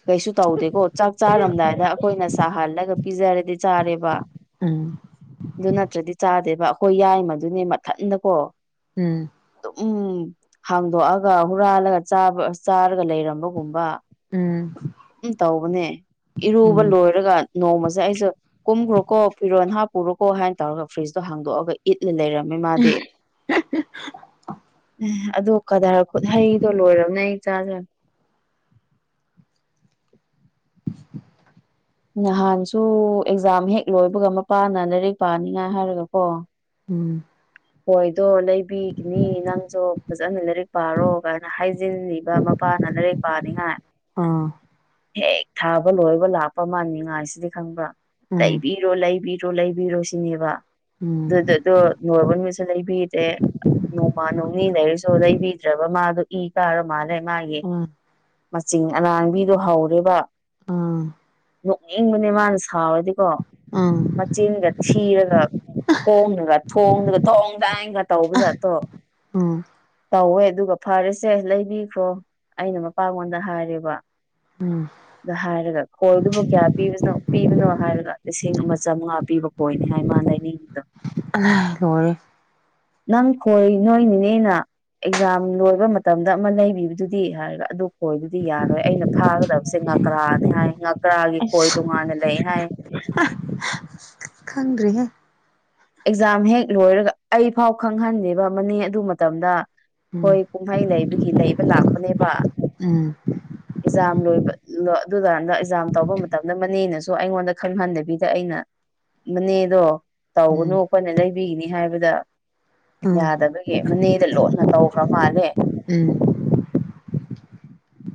ꯀꯩꯁꯨ ꯇꯧꯗꯦꯀꯣ ꯆꯥꯛ ꯆꯥꯔꯝꯗꯥꯏꯗ ꯑꯩꯈꯣꯏꯅ ꯁꯥꯍꯜꯂꯒ ꯄꯤꯖꯔꯗꯤ ꯆꯥꯔꯦꯕ ꯎꯝ ꯑꯗꯨ ꯅꯠꯇ꯭ꯔꯗꯤ ꯆꯥꯗꯦꯕ ꯑꯩꯈꯣꯏ ꯌꯥꯏ ꯃꯗꯨꯅꯦ ꯃꯊꯟꯗꯀꯣ ꯎꯝ ꯑꯗꯨꯝ ꯍꯥꯡꯗꯣꯛꯑꯒ ꯍꯨꯔꯥꯜꯂꯒꯥ ꯆꯥꯔꯒ ꯂꯩꯔꯝꯕꯒꯨꯝꯕ ꯎꯝ ꯎꯝ ꯇꯧꯕꯅꯦ ꯏꯔꯨꯕ ꯎꯝ ꯂꯣꯏꯔꯒ ꯅꯣꯡꯃꯁꯦ ꯑꯩꯁꯨ ꯀꯨꯝꯈ꯭ꯔꯣꯀꯣ ꯐꯤꯔꯣꯟꯜ ꯍꯥꯞꯄꯔꯣꯀꯣ ꯍꯥꯏꯅ ꯇꯧꯔꯒ ꯐ꯭ꯔꯤꯖꯇꯣ ꯍꯥꯡꯗꯣꯛꯑꯒ ꯏꯠꯂ ꯂꯩꯔꯝꯃꯦ ꯃꯥꯗꯤ [INAUDIBLE] ꯑꯗꯣ ꯀꯙꯔ ꯈꯨꯠ ꯍꯩꯗꯣ ꯂꯣꯏꯔꯕꯅꯦ ꯏꯆꯥꯖꯦ ꯅꯍꯥꯟꯁꯨ ꯑꯦꯛꯖꯥꯝ ꯍꯦꯛ ꯂꯣꯏꯕꯒ ꯃꯄꯥꯅ ꯂꯥꯏꯔꯤꯛ ꯄꯥꯅꯤꯉꯥꯏ ꯍꯥꯏꯔꯒ ꯀꯣ ꯎꯝ ꯑꯣꯏꯗꯣ ꯂꯩ ꯕꯤꯒꯤꯅꯤ ꯅꯪꯁꯨ ꯐꯖꯅ ꯂꯥꯏꯔꯤꯛ ꯄꯥꯔꯣ ꯀꯥꯏꯅ ꯍꯥꯏꯖꯤꯟꯕ ꯃꯄꯥꯅ ꯂꯥꯏꯔꯤꯛ ꯄꯅꯤꯉꯥꯏ ꯑꯥ ꯍꯦꯛ ꯊꯥꯕ ꯂꯣꯏꯕ ꯂꯥꯛꯄ ꯃꯥꯅꯤꯡꯉꯥꯏꯁꯤꯗꯤ ꯈꯪꯕ꯭ꯔꯥ ꯎꯝ ꯇꯩꯕꯤ ꯔꯣ ꯂꯩꯕꯤꯔꯣ ꯂꯩꯕꯤꯔꯣ ꯁꯤꯅꯦꯕ ꯎꯝ ꯑꯗꯨꯣꯏ ꯁꯨ ꯂꯩꯕꯤꯗꯦ ꯅꯣꯡꯃ ꯅꯣꯡꯅꯤ ꯂꯩꯔꯁꯨ ꯂꯩꯕꯤꯗ꯭ꯔꯕ ꯃꯥꯗꯣ ꯏ ꯀꯥꯔ ꯃꯥꯜꯂꯦ ꯃꯥꯒꯤ ꯎꯝ ꯃꯆꯤꯟ ꯑꯅꯥꯥꯡꯕꯤꯗꯣ ꯍꯧꯔꯦꯕ ꯑꯥ ꯅꯣꯛꯅꯤꯡꯕꯅꯦ ꯃꯥꯅ ꯁꯥꯎꯔꯗꯤꯀꯣ ꯎꯝ ꯃꯆꯤꯟꯒ ꯊꯤꯔꯒ ꯈꯣꯡꯉꯒ ꯊꯣꯡꯒ ꯊꯣꯡ ꯗꯥꯡꯒ ꯇꯧꯕꯖꯥꯠꯇꯣ ꯎꯝ ꯇꯧꯋꯦ ꯑꯗꯨꯒ ꯐꯔꯁꯦ ꯂꯩꯕꯤꯈꯔ‌ꯣ ꯑꯩꯅ ꯃꯄꯉꯣꯟꯗ ꯍꯥꯏꯔꯦꯕ ꯎꯝ ꯑꯗ ꯍꯥꯏꯔꯒ ꯐꯜꯗꯨꯕꯨ ꯀꯌꯥ ꯄꯤꯕꯅꯣ ꯄꯤꯕꯅꯣ ꯍꯥꯏꯔꯒ ꯂꯤꯁꯤꯡ ꯑꯃ ꯆꯥꯝꯃꯉꯥ ꯄꯤꯕ ꯑꯣꯏꯅꯤ ꯍꯥꯏ ꯃꯥ ꯂꯩꯕꯤ [INAUDIBLE] ꯑꯍꯥ ꯂꯣꯏꯔꯦ ꯅꯪ ꯈꯣꯏ ꯅꯣꯏꯅꯤꯅꯦꯅ ꯑꯦꯛꯖꯥꯝ ꯂꯣꯏꯕ ꯃꯇꯝꯗ ꯑꯃ ꯂꯩꯕꯤꯕꯗꯨꯗꯤ ꯍꯥꯏꯔꯤꯕ ꯑꯗꯨ ꯀꯣꯏꯗꯨꯗꯤ ꯌꯥꯔꯣꯏ ꯑꯩꯅ ꯐꯥꯒꯗꯕꯁꯦ ꯉꯀ꯭ꯔꯥꯅꯦ ꯍꯥꯏ ꯉꯀ꯭ꯔꯥꯒꯤ ꯈꯣꯏ ꯇꯣꯉꯥꯟꯅ ꯂꯩ ꯍꯥꯏ ꯈꯪꯗ꯭꯭ꯔꯔꯤꯍꯦ ꯑꯦꯛꯖꯥꯝ ꯍꯦꯛ ꯂꯣꯏꯔꯒ ꯑꯩ ꯐꯥꯎ ꯈꯪꯍꯟꯅꯤꯡꯕ ꯑꯃ ꯑꯗꯨ ꯃꯇꯝꯗ ꯎꯝ ꯍꯣꯏ ꯀꯨꯝꯍꯩ ꯂꯩꯕꯒꯤ ꯂꯩꯕ ꯂꯥꯛꯄꯅꯦꯕ [INAUDIBLE] ꯑꯦꯛꯖꯥꯝ ꯂꯣꯏꯕ ꯑꯗꯨ ꯇꯔꯗ ꯑꯦꯛꯖꯥꯝ ꯇꯧꯕ ꯃꯇꯝꯗ ꯃꯅꯦꯅꯁꯨ ꯑꯩꯉꯣꯟꯗ ꯈꯪꯍꯟꯗꯕꯤꯗ ꯑꯩꯅ ꯃꯅꯦꯗꯣ ꯇꯧꯒꯅꯨ ꯎꯝ ꯑꯩꯈꯣꯏꯅ ꯂꯩꯕꯤꯒꯅꯤ ꯍꯥꯏꯕꯗ ꯎꯝ ꯌꯥꯗꯕꯒꯤ ꯃꯅꯦꯗ ꯂꯣꯟꯅ ꯇꯧꯈ꯭ꯔ ꯃꯥꯜꯂꯦ ꯎꯝ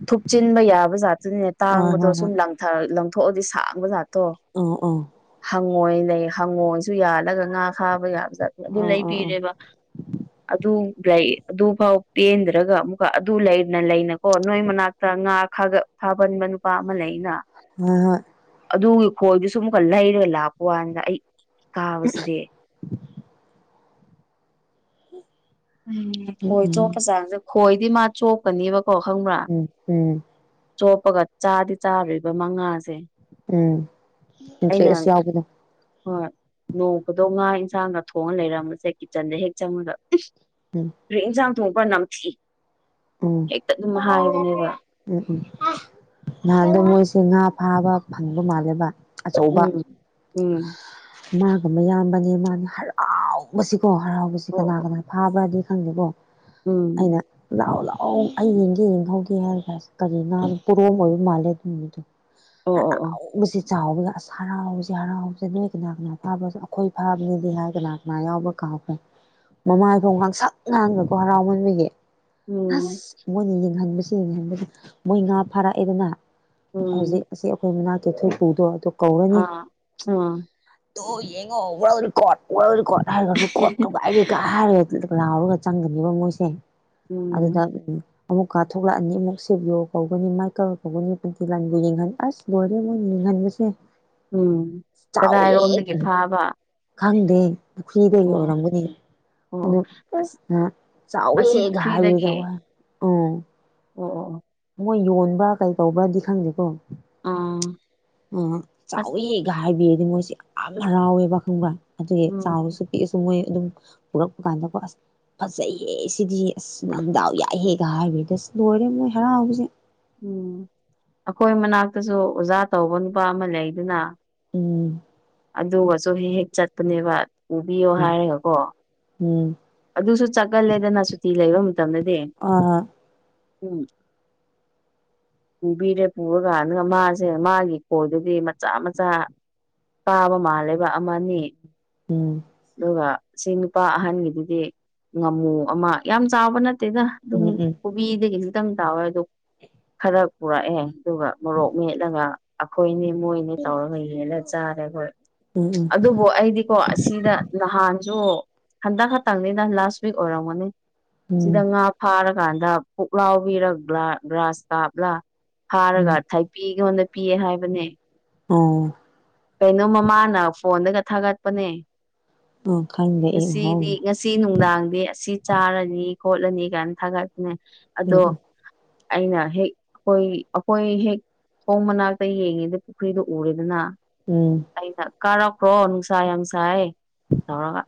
ꯊꯨꯞꯆꯤꯟꯕ ꯌꯥꯕ ꯥꯇꯅꯤꯅꯦ ꯍꯣꯏ ꯇꯥꯡꯕꯗꯣ ꯍꯣꯏ ꯁꯨꯝ ꯍꯣꯏ ꯂꯥꯡ ꯂꯪꯊꯣꯛꯑꯗꯤ ꯁꯥꯡꯕ ꯖꯥꯠꯇꯣ ꯎꯝ ꯎꯝ ꯍꯪꯉꯣꯏ ꯂꯩ ꯍꯪꯉꯣꯟꯁꯨ ꯌꯥꯜꯂꯒ ꯉꯥ ꯐꯥꯕ ꯌꯥꯕ ꯑꯗꯨ ꯑꯣ ꯑꯣ ꯂꯩꯕꯤꯔꯦꯕ [INAUDIBLE] ꯑꯗꯨ ꯂꯩ ꯑꯗꯨꯐꯥꯎ ꯄꯦꯟꯗ꯭ꯔꯒ ꯑꯃꯨꯛꯀ ꯑꯗꯨ ꯂꯩꯅ ꯂꯩꯅꯀꯣ ꯅꯣꯏ ꯃꯅꯥꯛ ꯉꯥꯥꯒ ꯐꯥꯕꯟꯕ ꯅꯨꯄꯥ ꯑꯃ ꯂꯩꯅ ꯍꯣꯏ ꯍꯣꯏ ꯑꯗꯨꯒꯤ ꯈꯣꯏꯗꯨꯁꯨ ꯑꯃꯨꯛꯀ ꯂꯩꯔꯒ ꯂꯥꯛꯄ ꯀꯥꯟꯗ ꯑꯩ ꯀꯥꯕꯁꯤꯗꯤ [INAUDIBLE] [INAUDIBLE] ꯎꯝ ꯈꯣꯏ ꯆꯣꯞꯄ ꯎꯝ ꯆꯥꯡꯁꯦ ꯈꯣꯏꯗꯤ ꯃꯥ ꯆꯣꯞꯀꯅꯤꯕꯀꯣ ꯈꯪꯕ꯭ꯔꯥ ꯎꯝ ꯎꯝ ꯆꯣꯞꯄꯒ ꯆꯥꯗꯤ ꯆꯥꯔꯣꯏꯕ ꯃꯉꯥꯁꯦ ꯎꯝ ꯑꯩꯅ ꯏꯟꯇꯔꯦꯁ ꯌꯥꯎꯕꯗꯣ ꯍꯣꯏ ꯅꯣꯡ ꯐꯗꯣ ꯉꯥ ꯏꯟꯁꯥꯡꯒ ꯊꯣꯡꯉ ꯂꯩꯔꯝꯝꯕꯁꯦ ꯀꯤꯠꯆꯟꯗ ꯍꯦꯛ ꯆꯪꯕꯒ [INAUDIBLE] ꯀꯔꯤ ꯌꯦꯟꯁꯥꯡ ꯊꯣꯡꯕ꯭ꯔ ꯅꯝꯊꯤ ꯎꯝ ꯍꯦꯛꯇ ꯑꯗꯨꯝ ꯍꯥꯏꯕꯅꯦꯕ ꯎꯝ ꯎꯝ ꯅꯍꯥꯟꯗꯣ ꯃꯣꯏꯁꯦ ꯉꯥ ꯐꯥꯕ ꯐꯪꯕ ꯃꯥꯜꯂꯦꯕ ꯑꯆꯧꯕ ꯎꯝ ꯎꯝ ꯃꯥꯒꯨꯝꯕ ꯌꯥꯝꯕꯅꯦ ꯃꯥꯅ ꯍꯔꯥꯎꯕꯁꯤꯀꯣ ꯍꯔꯥꯎꯕꯁꯤ ꯑꯣ ꯀꯅꯥ ꯑꯣ ꯀꯅꯥ ꯐꯥꯕ꯭ꯔꯗꯤ ꯈꯪꯗꯦꯀꯣ ꯎꯝ ꯑꯩꯅ ꯂꯥꯛꯥꯎ ꯂꯥꯛꯥꯎ ꯑꯩ ꯌꯦꯡꯒꯦ ꯌꯦꯡꯍꯧꯒꯦ ꯍꯥꯏꯔ ꯀꯁꯤ ꯀꯔꯤꯅ ꯀꯣꯔꯣꯝ ꯑꯣꯏꯕ ꯃꯥꯜꯂꯦ ꯑꯗꯨ ꯃꯤꯗꯣ ꯑꯣ ꯑꯣ ꯑꯣ [UNINTELLIGIBLE] ꯆꯥꯎꯕꯒꯤ ꯑꯁ ꯍꯔꯥꯎꯁꯦ ꯍꯔꯥꯎꯁꯦ ꯅꯣꯏ ꯀꯅꯥ ꯀꯅꯥ ꯐꯥꯕꯁꯨ ꯑꯩꯈꯣꯏ ꯐꯥꯕꯅꯤꯗꯤ ꯍꯥꯏꯗꯅ ꯁꯃ ꯌꯥꯎꯕ꯭ꯔ ꯀꯥꯈꯩ ꯃꯃꯥꯐꯥꯎ ꯉꯥꯡꯁꯛ ꯉꯥꯡꯕꯀꯣ ꯍꯔꯥꯎꯃꯟꯕꯒꯤ ꯎꯝ ꯑꯁ ꯃꯣꯏꯅ ꯌꯦꯡꯍꯟꯕꯁꯦ ꯌꯦꯡꯍꯟꯕꯗ ꯃꯣꯏ ꯉꯥ ꯐꯥꯔꯛꯑꯦꯗꯅ ꯎꯝ ꯍꯧꯖꯤꯛ ꯑꯁꯤ ꯑꯩꯈꯣꯏ ꯃꯅꯥꯛꯇꯦꯊꯣꯏꯄꯨꯗꯣ ꯑꯗꯨ ꯀꯧꯔꯅꯤ ꯑꯥ ꯑꯥ ꯑꯣ ꯌꯦꯡꯉꯣ ꯋꯥꯔꯜꯗ ꯔꯦꯀꯣꯔꯗ ꯋꯥꯔꯜꯗ ꯔꯦꯀꯣꯔꯗ ꯍꯥꯏ ꯀꯣꯠꯇꯨ ꯍꯥꯏꯔ ꯀ ꯍꯥꯏꯔꯦ ꯂꯥꯎꯔꯒ ꯆꯪꯒꯅꯦꯕ ꯃꯣꯏꯁꯦ ꯑꯗꯨꯗ ꯎꯝ ꯑꯃꯨꯛ ꯀꯥꯊꯣꯛꯂꯛꯑꯅꯤ ꯑꯃꯨꯛ ꯁꯦꯕꯤꯌꯣ ꯀꯧꯒꯅꯤ ꯃꯥꯏ ꯀꯔ ꯀꯧꯒꯅꯤ [UNINTELLIGIBLE] ꯌꯦꯡꯍꯟ ꯑꯁ [UNINTELLIGIBLE] ꯎꯝ ꯆꯥꯎꯋꯦ ꯀꯗꯥꯏꯔꯣꯝꯗꯒꯤ ꯐꯥꯕ ꯈꯪꯗꯦ ꯄꯨꯈ꯭ꯔꯤꯗꯒꯤ ꯑꯣ ꯑꯣ ꯑꯣꯏꯔꯝꯒꯅꯤ ꯑꯣ ꯑꯁ [UNINTELLIGIBLE] ꯑꯁꯤ ꯆꯥꯎꯋꯦꯔꯦꯒ ꯍꯥꯏꯌꯦ ꯄꯨꯈ꯭ꯔꯤꯗꯒꯤ ꯖꯎ ꯎꯝ ꯑꯣ ꯑꯣ ꯃꯣꯏ ꯌꯣꯟꯕ ꯀꯩ ꯇꯧꯕ꯭ꯔꯗꯤ ꯈꯪꯗꯦꯀꯣ ꯑꯥ ꯑ ꯑꯁ ꯆꯥꯎꯋꯦꯒ ꯍꯥꯏꯕꯤꯔꯗꯤ ꯃꯣꯏꯁꯦ ꯌꯥꯝꯅ ꯍꯔꯥꯎꯋꯦꯕꯥ ꯈꯪꯕ꯭ꯔꯥ ꯑꯗꯨꯒꯤ ꯎꯝ ꯆꯥꯎꯔꯁꯨ ꯄꯤꯛꯑꯁꯨ ꯃꯣꯏ ꯑꯗꯨꯝ ꯄꯨꯔꯛꯄ ꯀꯥꯟꯗꯀꯣ ꯑꯁ ꯐꯖꯩꯍꯦ ꯁꯤꯗꯤ ꯑꯁ ꯅꯪꯗꯥꯎ ꯌꯥꯏꯍꯦꯒ ꯍꯥꯏꯕꯦꯗ ꯑꯁ ꯂꯣꯏꯔꯦ ꯃꯣꯏ ꯍꯔꯥꯎꯕꯁꯦ ꯎꯝ ꯑꯩꯈꯣꯏ ꯃꯅꯥꯛꯇꯁꯨ ꯑꯣꯖꯥ ꯇꯧꯕ ꯅꯨꯄꯥ ꯑꯃ ꯂꯩꯗꯨꯅ ꯎꯝ ꯑꯗꯨꯒꯁꯨ ꯍꯦꯛ ꯍꯦꯛ ꯆꯠꯄꯅꯦꯕ ꯄꯨꯕꯤꯌꯣ ꯎꯝ ꯍꯥꯏꯔꯒꯀꯣ ꯎꯝ ꯑꯗꯨꯁꯨ ꯆꯠꯀꯜꯂꯦꯗꯅ ꯁꯨꯇꯤ ꯂꯩꯕ ꯃꯇꯝꯗꯗꯤ ꯑꯥ ꯎꯝ ꯄꯨꯕꯤꯔꯦ ꯄꯨꯕ ꯀꯥꯟꯗꯨꯒ ꯃꯥꯁꯦ ꯃꯥꯒꯤ ꯀꯣꯜꯗꯗꯤ ꯃꯆꯥ ꯃꯆꯥ ꯄꯥꯕ ꯃꯥꯜꯂꯦꯕ ꯑꯃꯅꯤ ꯎꯝ ꯑꯗꯨꯒ ꯁꯤ ꯅꯨꯄꯥ ꯑꯍꯟꯒꯤꯗꯨꯗꯤ ꯉꯥꯃꯨ ꯑꯃ ꯌꯥꯝ ꯆꯥꯎꯕ ꯅꯠꯇꯦꯗ ꯑꯗꯨꯝ ꯎꯝ ꯎꯝ ꯀꯣꯕꯤꯗꯒꯤꯁꯨꯇꯪ ꯇꯥꯎꯋꯦ ꯑꯗꯣ ꯈꯔ ꯄꯨꯔꯛꯑꯦ ꯑꯗꯨꯒ ꯃꯣꯔꯣꯛ ꯃꯦꯠꯂꯒ ꯑꯩꯈꯣꯏꯅꯤ ꯃꯣꯏꯅꯦ ꯇꯧꯔꯒ ꯌꯦꯜꯂ ꯆꯥꯔꯦ ꯍꯣꯏ ꯎꯝ ꯎꯝ ꯑꯗꯨ ꯑꯣ ꯑꯩꯗꯤꯀꯣ ꯑꯁꯤꯗ ꯅꯍꯥꯟꯁꯨ ꯍꯟꯗꯛ ꯈꯛꯇꯪꯅꯤꯅ ꯂꯥꯁ ꯋꯤꯛ ꯑꯣꯏꯔꯝꯒꯅꯤ ꯎꯝ ꯁꯤꯗ ꯉꯥ ꯐꯥꯔꯀꯥꯟꯗ ꯄꯨꯛꯂꯥꯎꯕꯤꯔ ꯒ꯭ꯔꯥꯁ ꯀꯥꯞꯂꯥ ꯐꯥꯔꯒ ꯎꯝ ꯊꯥꯏꯄꯤ ꯑꯩꯉꯣꯟꯗ ꯄꯤꯌꯦ ꯍꯥꯏꯕꯅꯦ ꯑꯣ ꯀꯩꯅꯣ ꯃꯃꯥꯅ ꯐꯣꯟꯗꯒ ꯊꯥꯒꯠꯄꯅꯦ ꯑ ꯈꯪꯗꯦ ꯑꯩ ꯉꯁꯤꯗꯤ ꯎꯍꯧꯗꯦ ꯉꯁꯤ ꯑꯁꯤ ꯅꯨꯡꯗꯥꯡꯗꯤ ꯑꯁꯤ ꯆꯥꯔꯅꯤ ꯈꯣꯠꯂꯅꯤ ꯀꯥꯏꯅ ꯊꯥꯒꯠꯄꯅꯦ ꯑꯗꯣ ꯎꯝ ꯎꯝ ꯑꯩꯅ ꯍꯦꯛ ꯑꯩꯈꯣꯏ ꯑꯩꯈꯣꯏ ꯍꯦꯛ ꯄꯣꯡ ꯃꯅꯥꯛꯇ ꯌꯦꯡꯉꯤꯗ ꯄꯨꯈ꯭ꯔꯤꯗꯨ ꯎꯔꯦꯗꯅ ꯎꯝ ꯑꯩꯅ ꯀꯥꯔꯛꯄ꯭ꯔꯣ ꯅꯨꯡꯁꯥ ꯌꯥꯝ ꯁꯥꯏ ꯇꯧꯔꯒ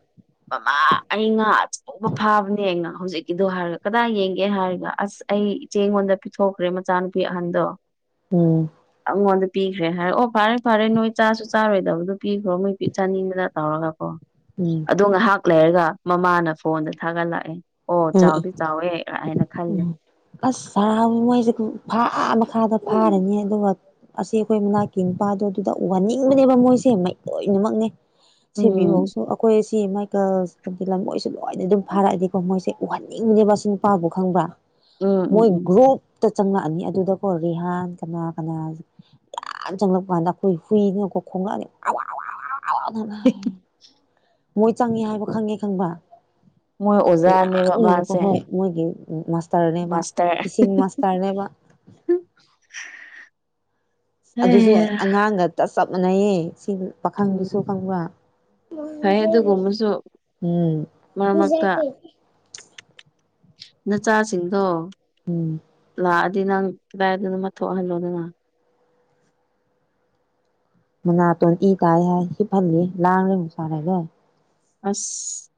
ꯃꯃꯥ ꯑꯩ ꯉꯥ ꯑꯆꯧ ꯐꯥꯕꯅꯦꯅ ꯍꯧꯖꯤꯛꯀꯤꯗꯣ ꯍꯥꯏꯔꯒ ꯀꯗꯥꯏ ꯌꯦꯡꯒꯦ ꯍꯥꯏꯔꯒ ꯑꯁ ꯑꯩꯉꯣꯟꯗ ꯊꯣꯛꯈ꯭ꯔꯦ ꯃꯆꯥꯅꯨꯄꯤ ꯑꯍꯟꯗꯣ ꯎꯝ ꯑꯩꯉꯣꯟꯗ ꯄꯤꯈ꯭ꯔꯦ ꯍꯥꯏꯔꯦ ꯑꯣ ꯐꯔꯦ ꯐꯔꯦ ꯅꯣꯏ ꯆꯥꯁꯨ ꯆꯥꯔꯣꯏꯗꯕꯗꯨ ꯄꯤꯈ꯭ꯔꯣ ꯃꯣꯏ ꯆꯅꯤ ꯑꯃꯗ ꯇꯧꯔꯒꯀꯣ ꯎꯝ ꯑꯗꯣ ꯉꯥꯏꯍꯥꯛ ꯂꯩꯔꯒ ꯃꯃꯥꯅ ꯐꯣꯟꯗ ꯊꯥꯒꯠꯂꯛꯑꯦ ꯑꯣ ꯎꯝ ꯆꯥꯎꯗꯤ ꯆꯥꯎꯋꯦ ꯍꯥꯏꯅ ꯈꯂꯦ ꯎꯝ ꯑꯁ ꯐꯥꯎꯏ ꯃꯣꯏꯁꯦ ꯐꯥ ꯃꯈꯥꯗ ꯐꯥꯔꯅꯤ ꯑꯗꯨꯒ ꯑꯁꯤ ꯑꯩꯈꯣꯏ ꯃꯅꯥꯛꯀꯤ ꯅꯨꯄꯥꯗꫭ ꯑꯗꯨꯗ ꯋꯥꯅꯤꯡꯕꯅꯦꯕ ꯃꯣꯏꯁꯦ ꯃ ꯂꯣꯏꯅꯃꯛꯅꯦ ꯎꯝ ꯁꯦꯕꯤꯌꯧꯁꯨ ꯑꯩꯈꯣꯏ ꯁꯤ ꯃꯥꯏꯀꯜ ꯍꯥꯏꯗꯤ ꯂꯝꯉꯣꯏꯁꯨ ꯂꯣꯏꯅ ꯑꯗꯨꯝ ꯐꯥꯔꯛꯑꯗꯤꯀꯣ ꯃꯣꯏꯁꯦ ꯎꯍꯟꯅꯤꯡꯕꯤꯅꯦꯕꯁꯨ ꯅꯨꯄꯥꯕꯨ ꯈꯪꯕ꯭ꯔꯥ ꯎꯝ ꯎꯝ ꯃꯣꯏ ꯎꯝ ꯒ꯭ꯔꯨꯞ ꯆꯪꯉꯛꯑꯅꯤ ꯑꯗꯨꯗꯀꯣ ꯔꯤꯍꯥꯟ ꯀꯅꯥ ꯀꯅꯥ ꯌꯥꯝ ꯆꯪꯂꯛꯄ ꯀꯥꯟꯗ ꯑꯩꯈꯣꯏ ꯍꯨꯏꯅꯀꯣ ꯈꯣꯡꯂꯛꯑꯅꯤ [UNINTELLIGIBLE] ꯃꯣꯏ ꯆꯪꯉꯦ ꯍꯥꯏꯕ ꯈꯪꯉꯦ ꯈꯪꯕ ꯃꯣꯏ ꯑꯣꯖꯥꯅꯦꯕ ꯂꯥꯡꯉꯒꯀꯣ ꯃꯥꯁꯦ ꯍꯣꯏ ꯃꯣꯏꯒꯤ ꯃꯥꯁꯇꯔꯅꯦꯕ ꯃꯥꯁꯇꯔ ꯐꯤꯁꯤꯡ ꯃꯥꯁꯇꯔꯅꯦꯕ ꯑꯗꯨꯁꯨ ꯑꯉꯥꯡꯒꯇ ꯆꯞ ꯃꯥꯟꯅꯩꯌꯦ ꯁꯤ ꯎꯝ ꯄꯥꯈꯪꯗꯨꯁꯨ ꯈꯪꯕ꯭ꯔ ꯐꯩ [UNINTELLIGIBLE] ꯑꯗꯨꯒꯨꯝꯕꯁꯨ ꯎꯝ ꯃꯔꯛ ꯃꯔꯛꯇ [UNINTELLIGIBLE] ꯅꯆꯥꯁꯤꯡꯗꯣ ꯎꯝ ꯂꯥꯛꯑꯗꯤ ꯅꯪ ꯀꯗꯥꯏꯗꯅꯣꯝꯃ ꯊꯣꯛꯍꯜꯂꯣꯅ ꯅꯪ ꯃꯅꯥꯇꯣꯟ ꯏ ꯇꯥꯏ ꯍꯥꯏ ꯁꯤꯞꯍꯜꯂꯤ ꯂꯥꯡꯂꯦ ꯑꯃꯨꯛ ꯁꯥꯔꯦ ꯂꯣꯏ ꯑꯁ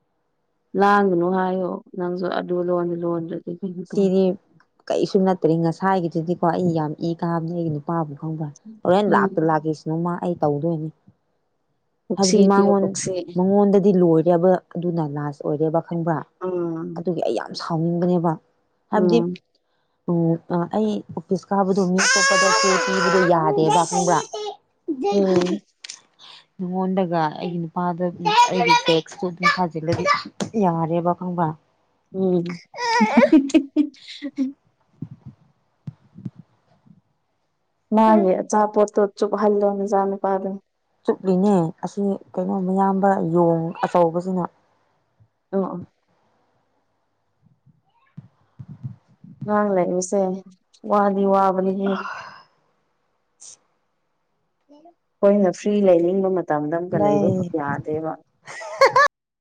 ꯂꯥꯡꯒꯅꯨ ꯍꯥꯏꯌꯣ ꯅꯪꯁꯨ ꯑꯗꯨ ꯂꯣꯟꯅꯤ ꯂꯣꯟꯗ꯭ꯔꯗꯤ ꯀꯩꯅꯣ ꯇꯧ ꯁꯤꯗꯤ ꯀꯔꯤꯁꯨ ꯅꯠꯇ꯭ꯔꯦ ꯉꯁꯥꯏꯒꯤꯗꯨꯗꯤꯀꯣ ꯑꯩ ꯌꯥꯝ ꯏ ꯀꯥꯕꯅꯤ ꯑꯩꯒꯤ ꯅꯨꯄꯥꯕꯨ ꯈꯪꯕ꯭ꯔ ꯍꯣꯔꯦꯟ ꯎꯝ ꯂꯥꯛꯇ ꯂꯥꯛꯀꯦꯁꯤꯅꯨ ꯃꯥ ꯑꯩ ꯇꯧꯗꯣꯏꯅꯦ ꯄꯨꯛꯁꯤ ꯍꯥꯏꯕꯗꯤ ꯄꯤꯌꯣ ꯃꯉꯣꯟ ꯄꯨꯛꯁꯤ ꯃꯉꯣꯟꯗꯗꯤ ꯂꯣꯏꯔꯦꯕ ꯑꯗꯨꯅ ꯂꯥꯁ ꯑꯣꯏꯔꯦꯕ ꯈꯪꯕ꯭ꯔꯥ ꯎꯝ ꯑꯗꯨꯒꯤ ꯑꯩ ꯌꯥꯝ ꯁꯥꯎꯅꯤꯡꯕꯅꯦꯕ ꯍꯥꯏꯕꯗꯤ ꯎꯝ ꯎ ꯑꯩ ꯑꯣꯐꯤꯁ ꯀꯥꯕꯗꯣ ꯃꯤ ꯑꯇꯣꯞꯄꯗ ꯄꯤꯕꯗ ꯌꯥ ꯌꯥꯗꯦꯕ ꯈꯡꯕ꯭ꯔꯥ ꯎꯝ ꯅꯉꯣꯟꯗꯒ ꯑꯩꯒꯤ ꯅꯨꯄꯥꯗ ꯑꯩꯒꯤ ꯇꯦꯛꯁꯇꯨ ꯑꯗꯨꯝ ꯊꯥꯖꯤꯜꯂꯗꯤ ꯌꯥꯔꯦꯕ ꯈꯪꯕ꯭ꯔꯥ [INAUDIBLE] ꯎꯝ ꯃꯥꯒꯤ ꯑꯆꯥꯄꯣꯠꯇꯣ ꯆꯨꯞ ꯍꯜꯂꯣꯅꯖꯥ ꯅꯤꯄꯥꯗ ꯆꯨꯞꯂꯤꯅꯦ ꯑꯁꯤ ꯀꯩꯅꯣ ꯃꯌꯥꯝꯕ ꯌꯣꯡ ꯑꯆꯧꯕꯁꯤꯅ ꯑꯣ ꯑꯣ ꯉꯔꯥꯡ ꯂꯩꯔꯤꯁꯦ ꯋꯥꯗꯤ ꯋꯥꯕꯅꯤꯍꯦ [INAUDIBLE] ꯑꯩꯈꯣꯏꯅ ꯐ꯭ꯔꯤ ꯂꯩꯅꯤꯡꯕ ꯃꯇꯝꯗ ꯑꯃꯨꯀ ꯂꯩꯕ ꯂꯩ ꯐ ꯌꯥꯗꯦꯕ